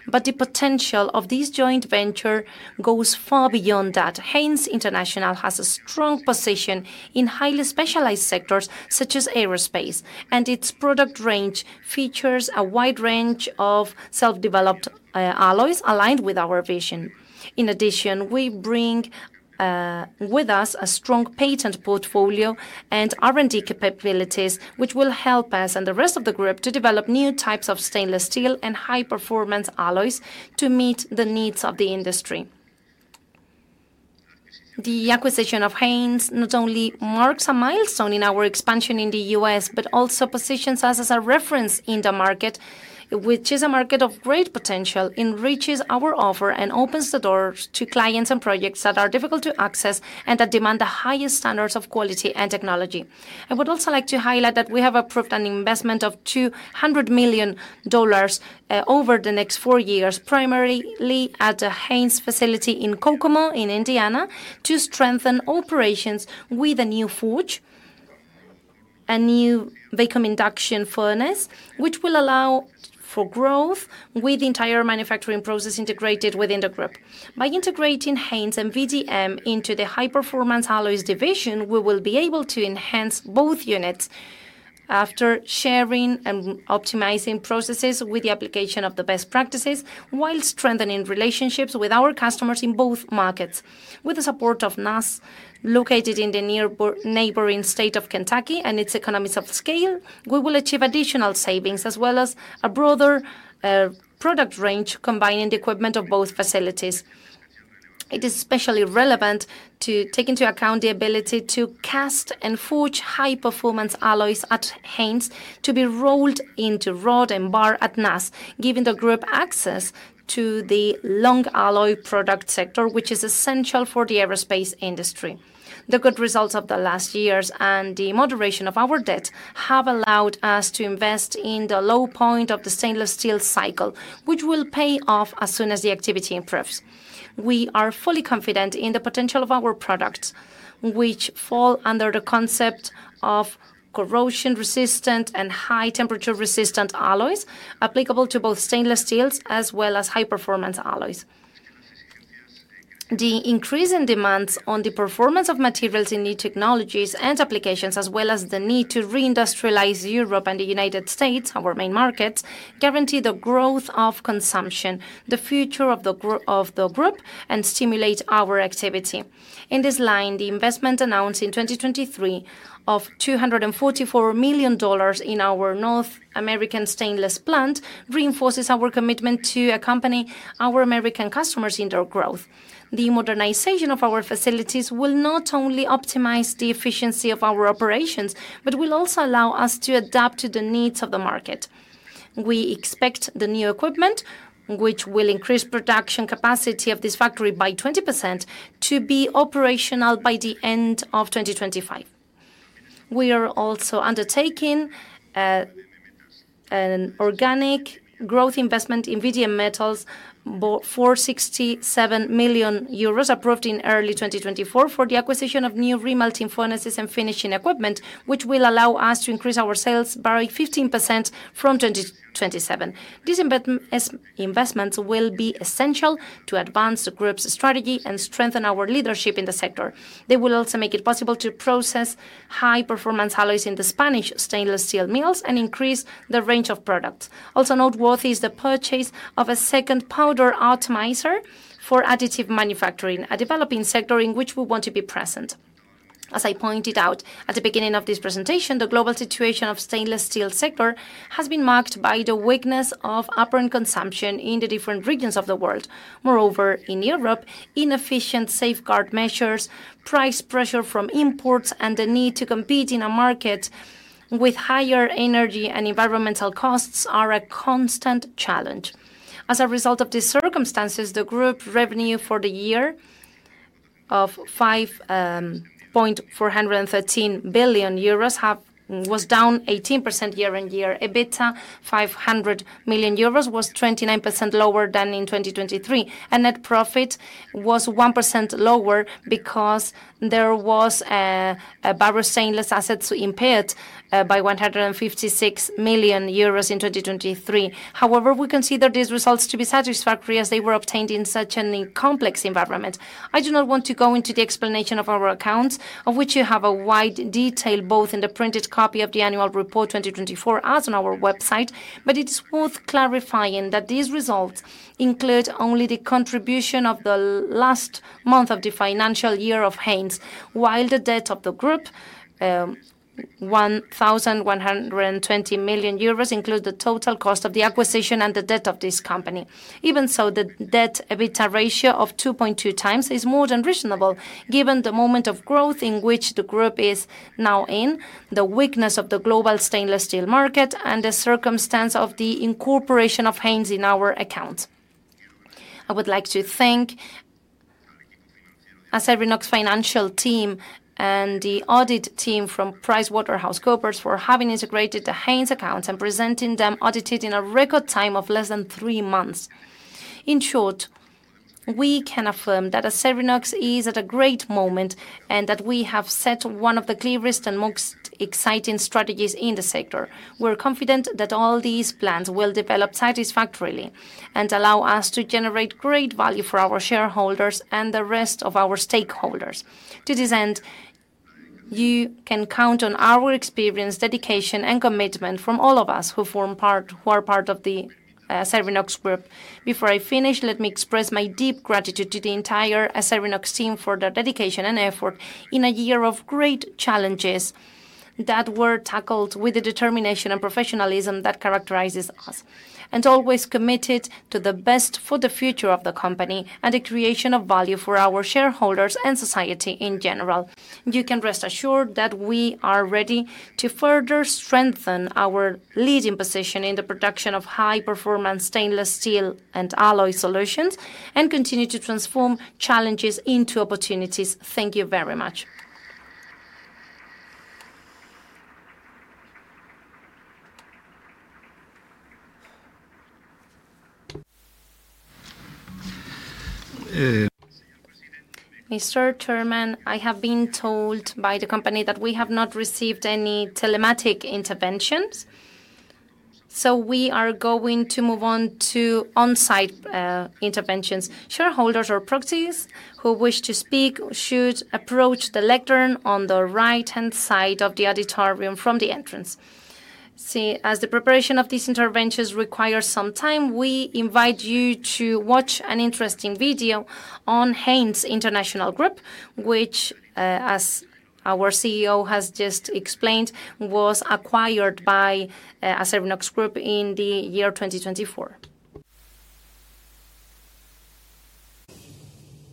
but the potential of this joint venture goes far beyond that. Haynes International has a strong position in highly specialized sectors such as aerospace, and its product range features a wide range of self-developed alloys aligned with our vision. In addition, we bring with us a strong patent portfolio and R&D capabilities, which will help us and the rest of the group to develop new types of stainless steel and high-performance alloys to meet the needs of the industry. The acquisition of Haynes not only marks a milestone in our expansion in the US, but also positions us as a reference in the market, which is a market of great potential, enriches our offer, and opens the doors to clients and projects that are difficult to access and that demand the highest standards of quality and technology. I would also like to highlight that we have approved an investment of $200 million over the next four years, primarily at the Haynes facility in Kokomo in Indiana, to strengthen operations with a new forge, a new vacuum induction furnace, which will allow for growth with the entire manufacturing process integrated within the group. By integrating Haynes and VDM into the high-performance alloys division, we will be able to enhance both units after sharing and optimizing processes with the application of the best practices while strengthening relationships with our customers in both markets. With the support of NAS, located in the neighboring state of Kentucky and its economies of scale, we will achieve additional savings as well as a broader product range, combining the equipment of both facilities. It is especially relevant to take into account the ability to cast and forge high-performance alloys at Haynes to be rolled into rod and bar at North American Stainless, giving the group access to the long alloy product sector, which is essential for the aerospace industry. The good results of the last years and the moderation of our debt have allowed us to invest in the low point of the stainless steel cycle, which will pay off as soon as the activity improves. We are fully confident in the potential of our products, which fall under the concept of corrosion-resistant and high-temperature-resistant alloys applicable to both stainless steels as well as high-performance alloys. The increase in demands on the performance of materials in new technologies and applications, as well as the need to re-industrialize Europe and the U.S., our main markets, guarantee the growth of consumption, the future of the group, and stimulate our activity. In this line, the investment announced in 2023 of $244 million in our North American Stainless plant reinforces our commitment to accompany our American customers in their growth. The modernization of our facilities will not only optimize the efficiency of our operations, but will also allow us to adapt to the needs of the market. We expect the new equipment, which will increase production capacity of this factory by 20%, to be operational by the end of 2025. We are also undertaking an organic growth investment in VDM Metals, 467 million euros approved in early 2024, for the acquisition of new remelting furnaces and finishing equipment, which will allow us to increase our sales by 15% from 2027. These investments will be essential to advance the group's strategy and strengthen our leadership in the sector. They will also make it possible to process high-performance alloys in the Spanish stainless steel mills and increase the range of products. Also noteworthy is the purchase of a second powder optimizer for additive manufacturing, a developing sector in which we want to be present. As I pointed out at the beginning of this presentation, the global situation of the stainless steel sector has been marked by the weakness of upper-end consumption in the different regions of the world. Moreover, in Europe, inefficient safeguard measures, price pressure from imports, and the need to compete in a market with higher energy and environmental costs are a constant challenge. As a result of these circumstances, the group revenue for the year of 5.413 billion euros was down 18% year-on-year. EBITDA, 500 million euros, was 29% lower than in 2023. Net profit was 1% lower because there was a bar of stainless assets impaired by 156 million euros in 2023. However, we consider these results to be satisfactory as they were obtained in such a complex environment. I do not want to go into the explanation of our accounts, of which you have a wide detail both in the printed copy of the annual report 2024 as on our website, but it's worth clarifying that these results include only the contribution of the last month of the financial year of Haynes, while the debt of the group, 1,120 million euros, includes the total cost of the acquisition and the debt of this company. Even so, the debt/EBITDA ratio of 2.2 times is more than reasonable, given the moment of growth in which the group is now in, the weakness of the global stainless steel market, and the circumstance of the incorporation of Haynes in our accounts. I would like to thank Acerinox's financial team and the audit team from PricewaterhouseCoopers for having integrated the Haynes accounts and presenting them audited in a record time of less than three months. In short, we can affirm that Acerinox is at a great moment and that we have set one of the clearest and most exciting strategies in the sector. We're confident that all these plans will develop satisfactorily and allow us to generate great value for our shareholders and the rest of our stakeholders. To this end, you can count on our experience, dedication, and commitment from all of us who are part of the Acerinox group. Before I finish, let me express my deep gratitude to the entire Acerinox team for their dedication and effort in a year of great challenges that were tackled with the determination and professionalism that characterizes us, and always committed to the best for the future of the company and the creation of value for our shareholders and society in general. You can rest assured that we are ready to further strengthen our leading position in the production of high-performance stainless steel and alloy solutions and continue to transform challenges into opportunities. Thank you very much. Mr. Chairman, I have been told by the company that we have not received any telematic interventions, so we are going to move on to on-site interventions. Shareholders or proxies who wish to speak should approach the lectern on the right-hand side of the auditorium from the entrance. As the preparation of these interventions requires some time, we invite you to watch an interesting video on Haynes International Group, which, as our CEO has just explained, was acquired by Acerinox Group in the year 2024.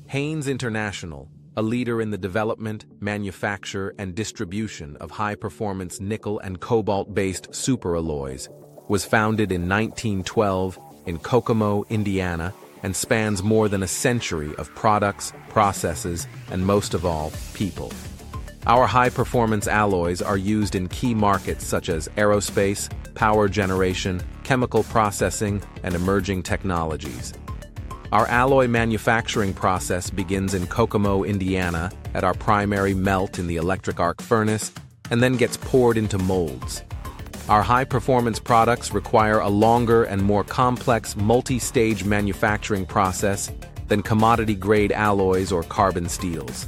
Haynes International, a leader in the development, manufacture, and distribution of high-performance nickel and cobalt-based super alloys, was founded in 1912 in Kokomo, Indiana, and spans more than a century of products, processes, and most of all, people. Our high-performance alloys are used in key markets such as aerospace, power generation, chemical processing, and emerging technologies. Our alloy manufacturing process begins in Kokomo, Indiana, at our primary melt in the electric arc furnace, and then gets poured into molds. Our high-performance products require a longer and more complex multi-stage manufacturing process than commodity-grade alloys or carbon steels.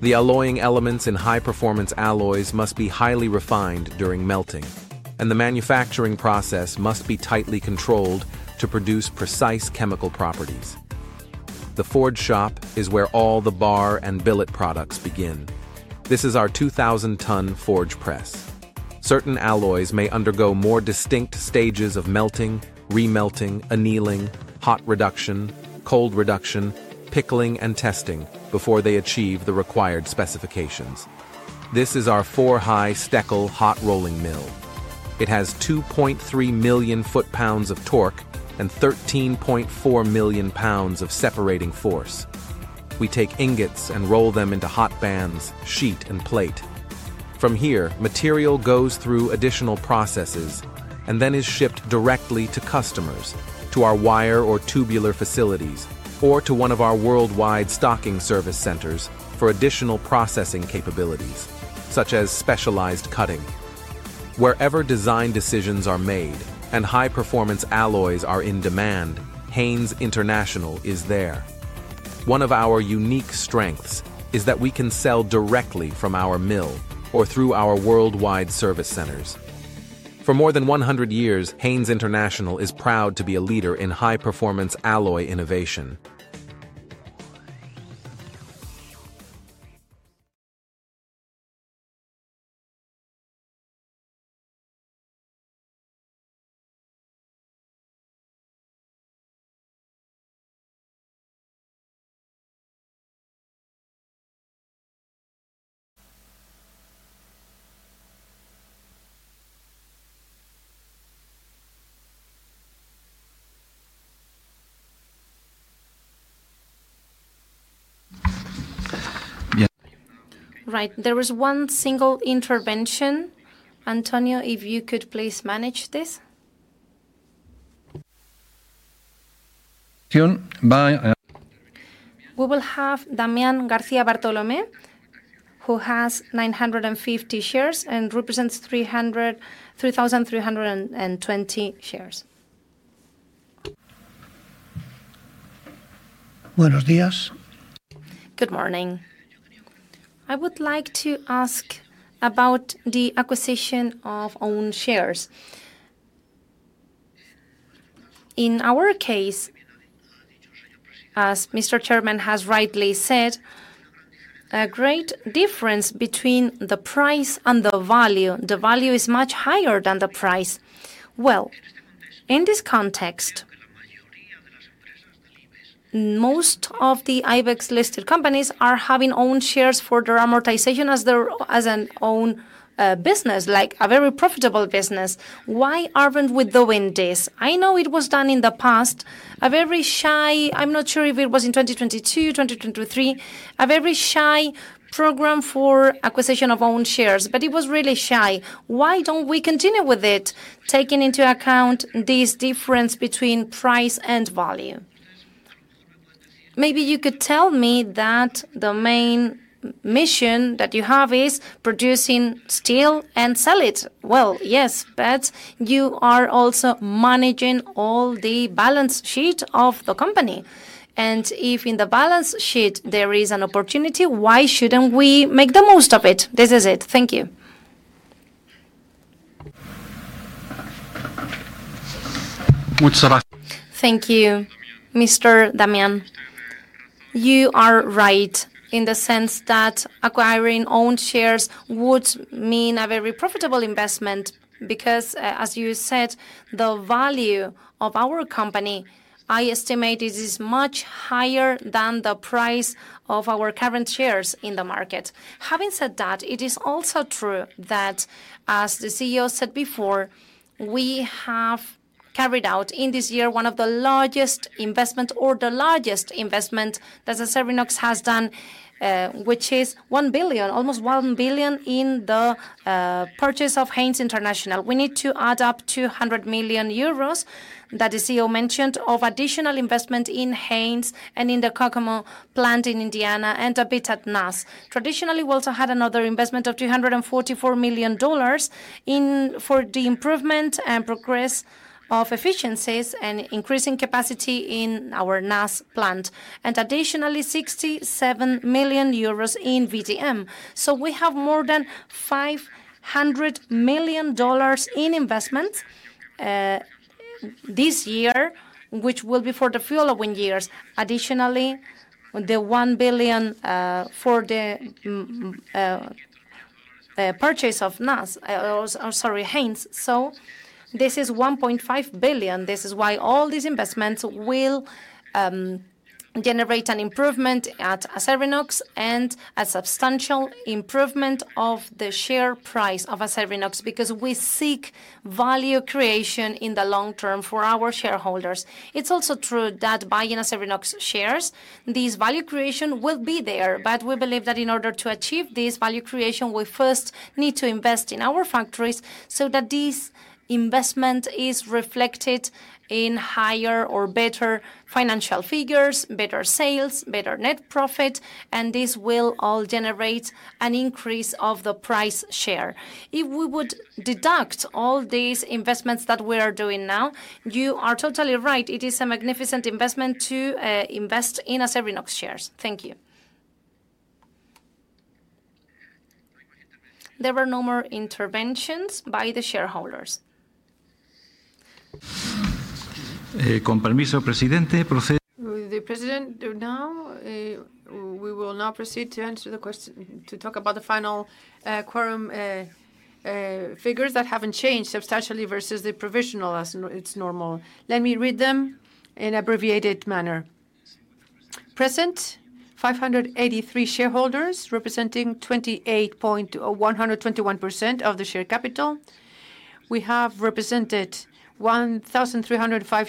The alloying elements in high-performance alloys must be highly refined during melting, and the manufacturing process must be tightly controlled to produce precise chemical properties. The forge shop is where all the bar and billet products begin. This is our 2,000-ton forge press. Certain alloys may undergo more distinct stages of melting, remelting, annealing, hot reduction, cold reduction, pickling, and testing before they achieve the required specifications. This is our four-high steckel hot rolling mill. It has 2.3 million foot-pounds of torque and 13.4 million pounds of separating force. We take ingots and roll them into hot bands, sheet, and plate. From here, material goes through additional processes and then is shipped directly to customers, to our wire or tubular facilities, or to one of our worldwide stocking service centers for additional processing capabilities, such as specialized cutting. Wherever design decisions are made and high-performance alloys are in demand, Haynes International is there. One of our unique strengths is that we can sell directly from our mill or through our worldwide service centers. For more than 100 years, Haynes International is proud to be a leader in high-performance alloy innovation. Right. There was one single intervention. Antonio, if you could please manage this. We will have Damián García Bartolomé, who has 950 shares and represents 3,320 shares. Buenos días. Good morning. I would like to ask about the acquisition of own shares. In our case, as Mr. Chairman has rightly said, a great difference between the price and the value, the value is much higher than the price. In this context, most of the IBEX-listed companies are having own shares for their amortization as an own business, like a very profitable business. Why aren't we doing this? I know it was done in the past, a very shy, I'm not sure if it was in 2022, 2023, a very shy program for acquisition of own shares, but it was really shy. Why don't we continue with it, taking into account this difference between price and value? Maybe you could tell me that the main mission that you have is producing steel and sell it. Yes, but you are also managing all the balance sheet of the company. If in the balance sheet there is an opportunity, why shouldn't we make the most of it? This is it. Thank you. Thank you. Mr. Damián, you are right in the sense that acquiring own shares would mean a very profitable investment because, as you said, the value of our company, I estimate it is much higher than the price of our current shares in the market. Having said that, it is also true that, as the CEO said before, we have carried out in this year one of the largest investments or the largest investment that Acerinox has done, which is 1 billion, almost 1 billion in the purchase of Haynes International. We need to add up to 200 million euros that the CEO mentioned of additional investment in Haynes and in the Kokomo plant in Indiana and a bit at NAS. Traditionally, we also had another investment of $244 million for the improvement and progress of efficiencies and increasing capacity in our NAS plant. Additionally, 67 million euros in VDM. We have more than $500 million in investment this year, which will be for the following years. Additionally, the 1 billion for the purchase of NAS, sorry, Haynes. This is 1.5 billion. This is why all these investments will generate an improvement at Acerinox and a substantial improvement of the share price of Acerinox because we seek value creation in the long term for our shareholders. It's also true that buying Acerinox shares, this value creation will be there, but we believe that in order to achieve this value creation, we first need to invest in our factories so that this investment is reflected in higher or better financial figures, better sales, better net profit, and this will all generate an increase of the share price. If we would deduct all these investments that we are doing now, you are totally right. It is a magnificent investment to invest in Acerinox shares. Thank you. There were no more interventions by the shareholders. Con permiso, presidente. The president, now we will now proceed to answer the question to talk about the final quorum figures that have not changed substantially versus the provisional, as is normal. Let me read them in an abbreviated manner. Present, 583 shareholders representing 28.121% of the share capital. We have represented 1,305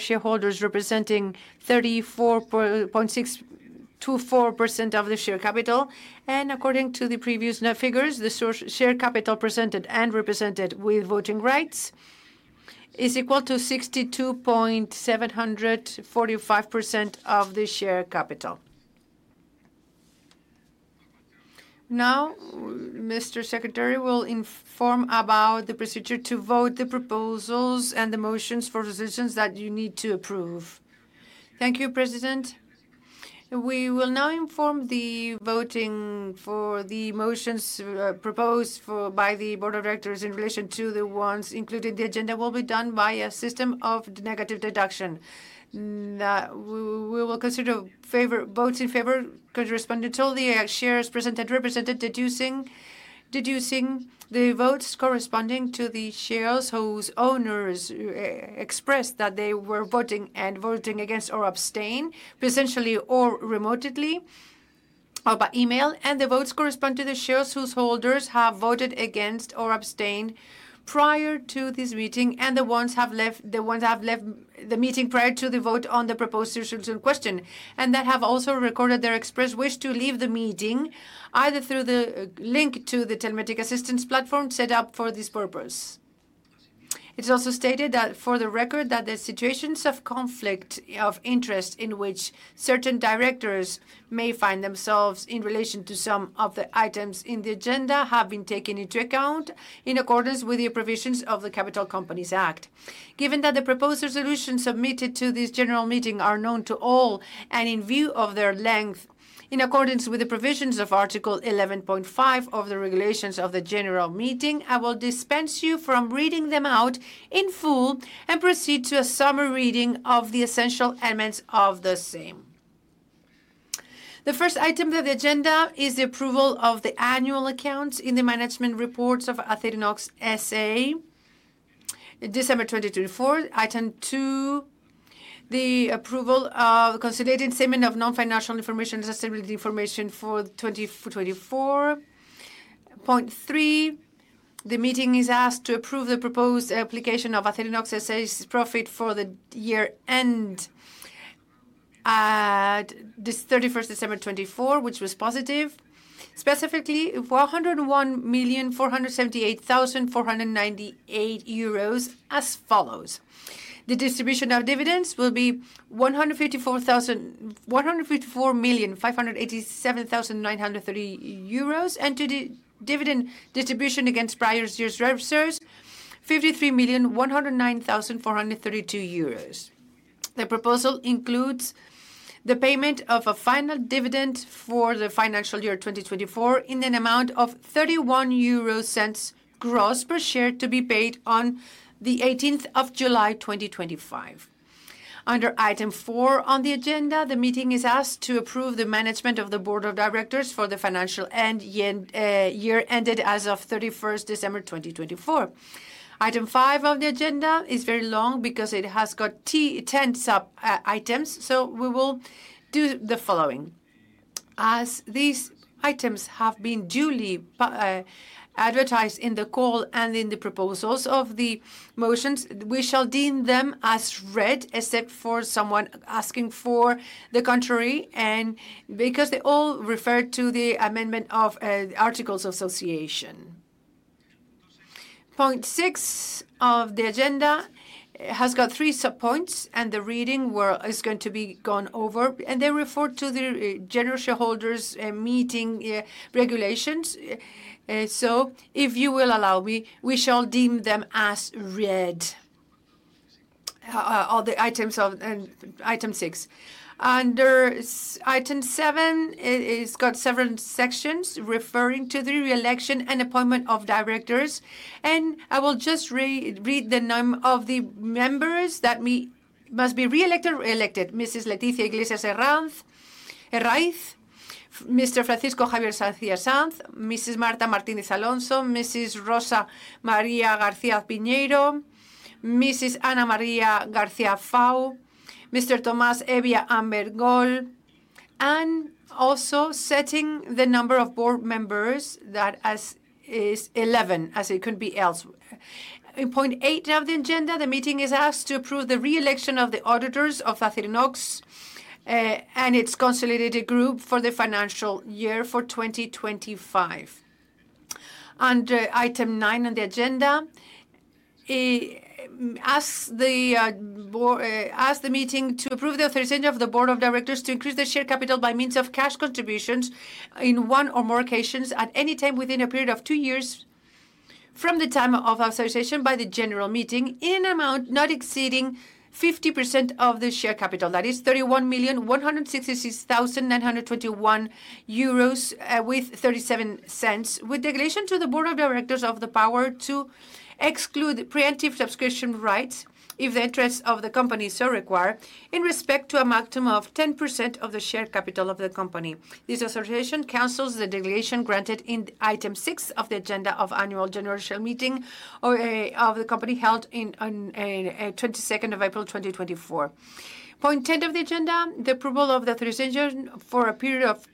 shareholders representing 34.24% of the share capital. According to the previous figures, the share capital presented and represented with voting rights is equal to 62.745% of the share capital. Now, Mr. Secretary will inform about the procedure to vote the proposals and the motions for decisions that you need to approve. Thank you, president. We will now inform the voting for the motions proposed by the board of directors in relation to the ones included in the agenda will be done by a system of negative deduction. We will consider votes in favor corresponding to the shares presented represented, deducing the votes corresponding to the shares whose owners expressed that they were voting and voting against or abstained, presentially or remotely, or by email. The votes correspond to the shares whose holders have voted against or abstained prior to this meeting, and the ones who have left the meeting prior to the vote on the proposed decisions in question, and that have also recorded their express wish to leave the meeting either through the link to the telematic assistance platform set up for this purpose. It is also stated for the record that the situations of conflict of interest in which certain directors may find themselves in relation to some of the items in the agenda have been taken into account in accordance with the provisions of the Capital Companies Act. Given that the proposed resolutions submitted to this general meeting are known to all and in view of their length, in accordance with the provisions of Article 11.5 of the Regulations of the General Meeting, I will dispense you from reading them out in full and proceed to a summary reading of the essential elements of the same. The first item of the agenda is the approval of the annual accounts in the management reports of Acerinox S.A., December 2024. Item two, the approval of the conciliating statement of non-financial information and accessibility information for 2024. The meeting is asked to approve the proposed application of Acerinox S.A.'s profit for the year end at 31st December 2024, which was positive, specifically 101,478,498 euros as follows. The distribution of dividends will be 154,587,930 euros and to the dividend distribution against prior year's reserves, 53,109,432 euros. The proposal includes the payment of a final dividend for the financial year 2024 in an amount of 31 euro gross per share to be paid on the 18th of July 2025. Under item four on the agenda, the meeting is asked to approve the management of the board of directors for the financial end year ended as of 31st December 2024. Item five of the agenda is very long because it has got 10 sub-items, so we will do the following. As these items have been duly advertised in the call and in the proposals of the motions, we shall deem them as read except for someone asking for the contrary and because they all refer to the amendment of articles of association. Point six of the agenda has got three subpoints, and the reading is going to be gone over, and they refer to the general shareholders' meeting regulations. If you will allow me, we shall deem them as read. All the items of item six. Under item seven, it's got several sections referring to the reelection and appointment of directors. I will just read the name of the members that must be reelected or elected: Mrs. Leticia Iglesias Herraiz, Mr. Francisco Javier García Sanz, Mrs. Marta Martínez Alonso, Mrs. Rosa María García Piñeiro, Mrs. Ana María García Fau, Mr. Tomás Evia Armengol, and also setting the number of board members that is 11, as it could be else. In point eight of the agenda, the meeting is asked to approve the reelection of the auditors of Acerinox and its conciliated group for the financial year for 2025. Under item nine on the agenda, ask the meeting to approve the authorization of the Board of Directors to increase the share capital by means of cash contributions in one or more occasions at any time within a period of two years from the time of authorization by the general meeting in an amount not exceeding 50% of the share capital. That is 31,166,921.37 euros, with the relation to the Board of Directors of the power to exclude preemptive subscription rights if the interests of the companies so require in respect to a maximum of 10% of the share capital of the company. This authorization cancels the delegation granted in item six of the agenda of annual general meeting of the company held on 22nd of April 2024. Point 10 of the agenda, the approval of the authorization for a period of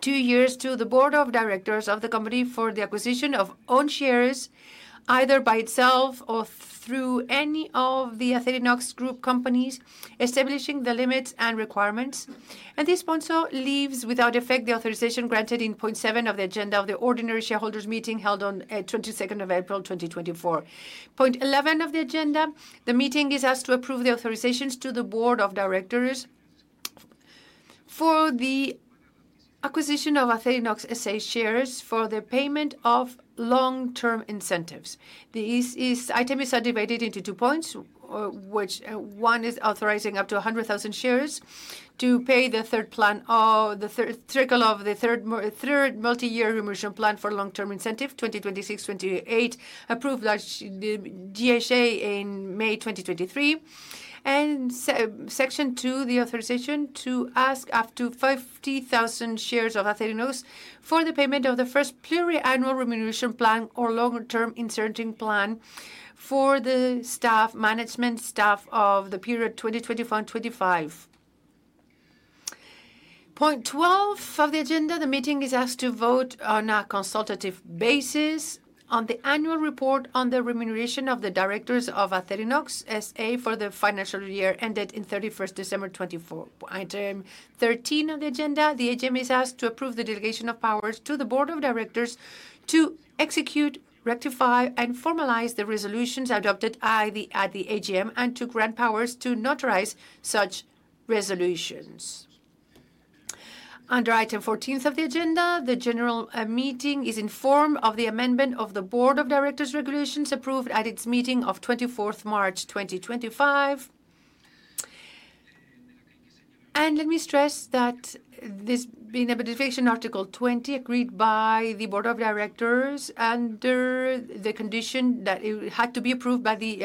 two years to the Board of Directors of the company for the acquisition of own shares either by itself or through any of the Acerinox Group companies, establishing the limits and requirements. This point also leaves without effect the authorization granted in point seven of the agenda of the ordinary shareholders' meeting held on 22nd of April 2024. Point 11 of the agenda, the meeting is asked to approve the authorizations to the Board of Directors for the acquisition of Acerinox S.A. shares for the payment of long-term incentives. This item is subdivided into two points, which one is authorizing up to 100,000 shares to pay the third plan, the circle of the third multi-year remission plan for long-term incentive, 2026-28, approved by GHA in May 2023. Section two, the authorization to ask up to 50,000 shares of Acerinox for the payment of the first pluriannual remission plan or long-term inserting plan for the management staff of the period 2024-2025. Point 12 of the agenda, the meeting is asked to vote on a consultative basis on the annual report on the remuneration of the directors of Acerinox for the financial year ended on 31st December 2024. Item 13 of the agenda, the AGM is asked to approve the delegation of powers to the board of directors to execute, rectify, and formalize the resolutions adopted at the AGM and to grant powers to notarize such resolutions. Under item 14 of the agenda, the general meeting is informed of the amendment of the board of directors' regulations approved at its meeting of 24th March 2025. Let me stress that this being a benefication article 20 agreed by the Board of Directors under the condition that it had to be approved by the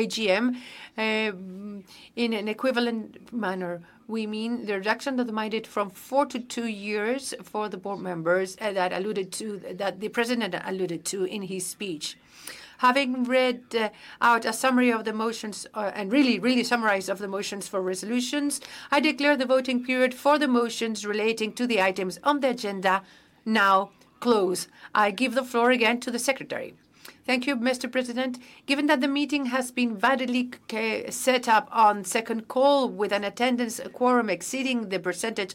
AGM in an equivalent manner. We mean the reduction of the mandate from four to two years for the board members that the president alluded to in his speech. Having read out a summary of the motions and really summarized the motions for resolutions, I declare the voting period for the motions relating to the items on the agenda now closed. I give the floor again to the secretary. Thank you, Mr. President. Given that the meeting has been validly set up on second call with an attendance quorum exceeding the percentage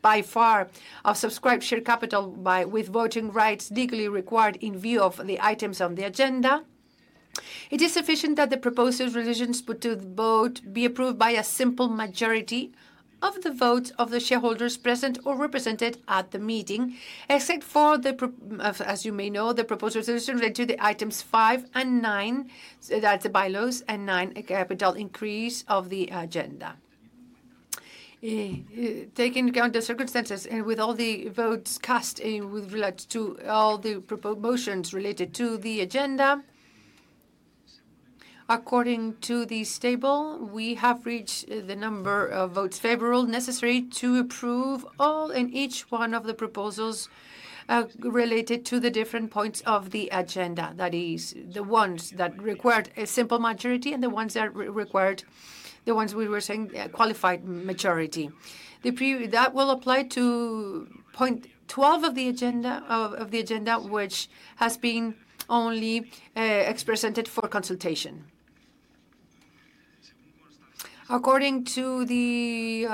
by far of subscribed share capital with voting rights legally required in view of the items on the agenda, it is sufficient that the proposed resolutions put to the vote be approved by a simple majority of the votes of the shareholders present or represented at the meeting, except for the, as you may know, the proposed resolution related to the items five and nine, that's the bylaws and nine capital increase of the agenda. Taking into account the circumstances and with all the votes cast with regards to all the motions related to the agenda, according to the table, we have reached the number of votes favorable necessary to approve all and each one of the proposals related to the different points of the agenda. That is, the ones that required a simple majority and the ones that required the ones we were saying qualified majority. That will apply to point 12 of the agenda, which has been only presented for consultation. According to the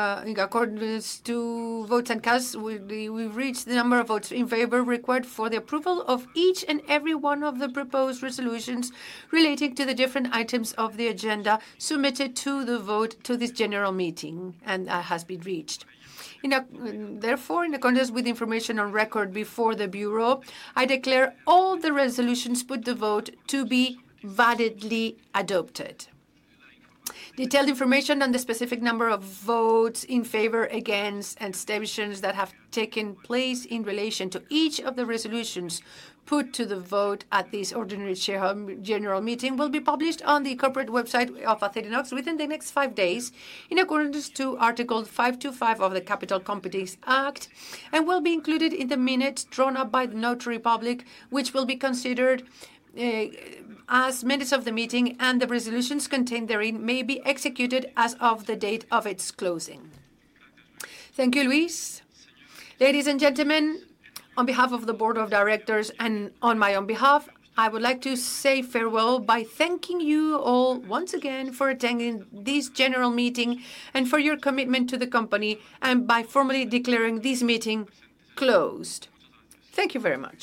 votes cast, we've reached the number of votes in favor required for the approval of each and every one of the proposed resolutions relating to the different items of the agenda submitted to the vote to this general meeting and has been reached. Therefore, in accordance with information on record before the bureau, I declare all the resolutions put to vote to be validly adopted. Detailed information on the specific number of votes in favor, against, and statements that have taken place in relation to each of the resolutions put to the vote at this ordinary general meeting will be published on the corporate website of Acerinox within the next five days in accordance with Article 525 of the Capital Companies Act and will be included in the minutes drawn up by the notary public, which will be considered as minutes of the meeting and the resolutions contained therein may be executed as of the date of its closing. Thank you, Louise. Ladies and gentlemen, on behalf of the Board of Directors and on my own behalf, I would like to say farewell by thanking you all once again for attending this general meeting and for your commitment to the company and by formally declaring this meeting closed. Thank you very much.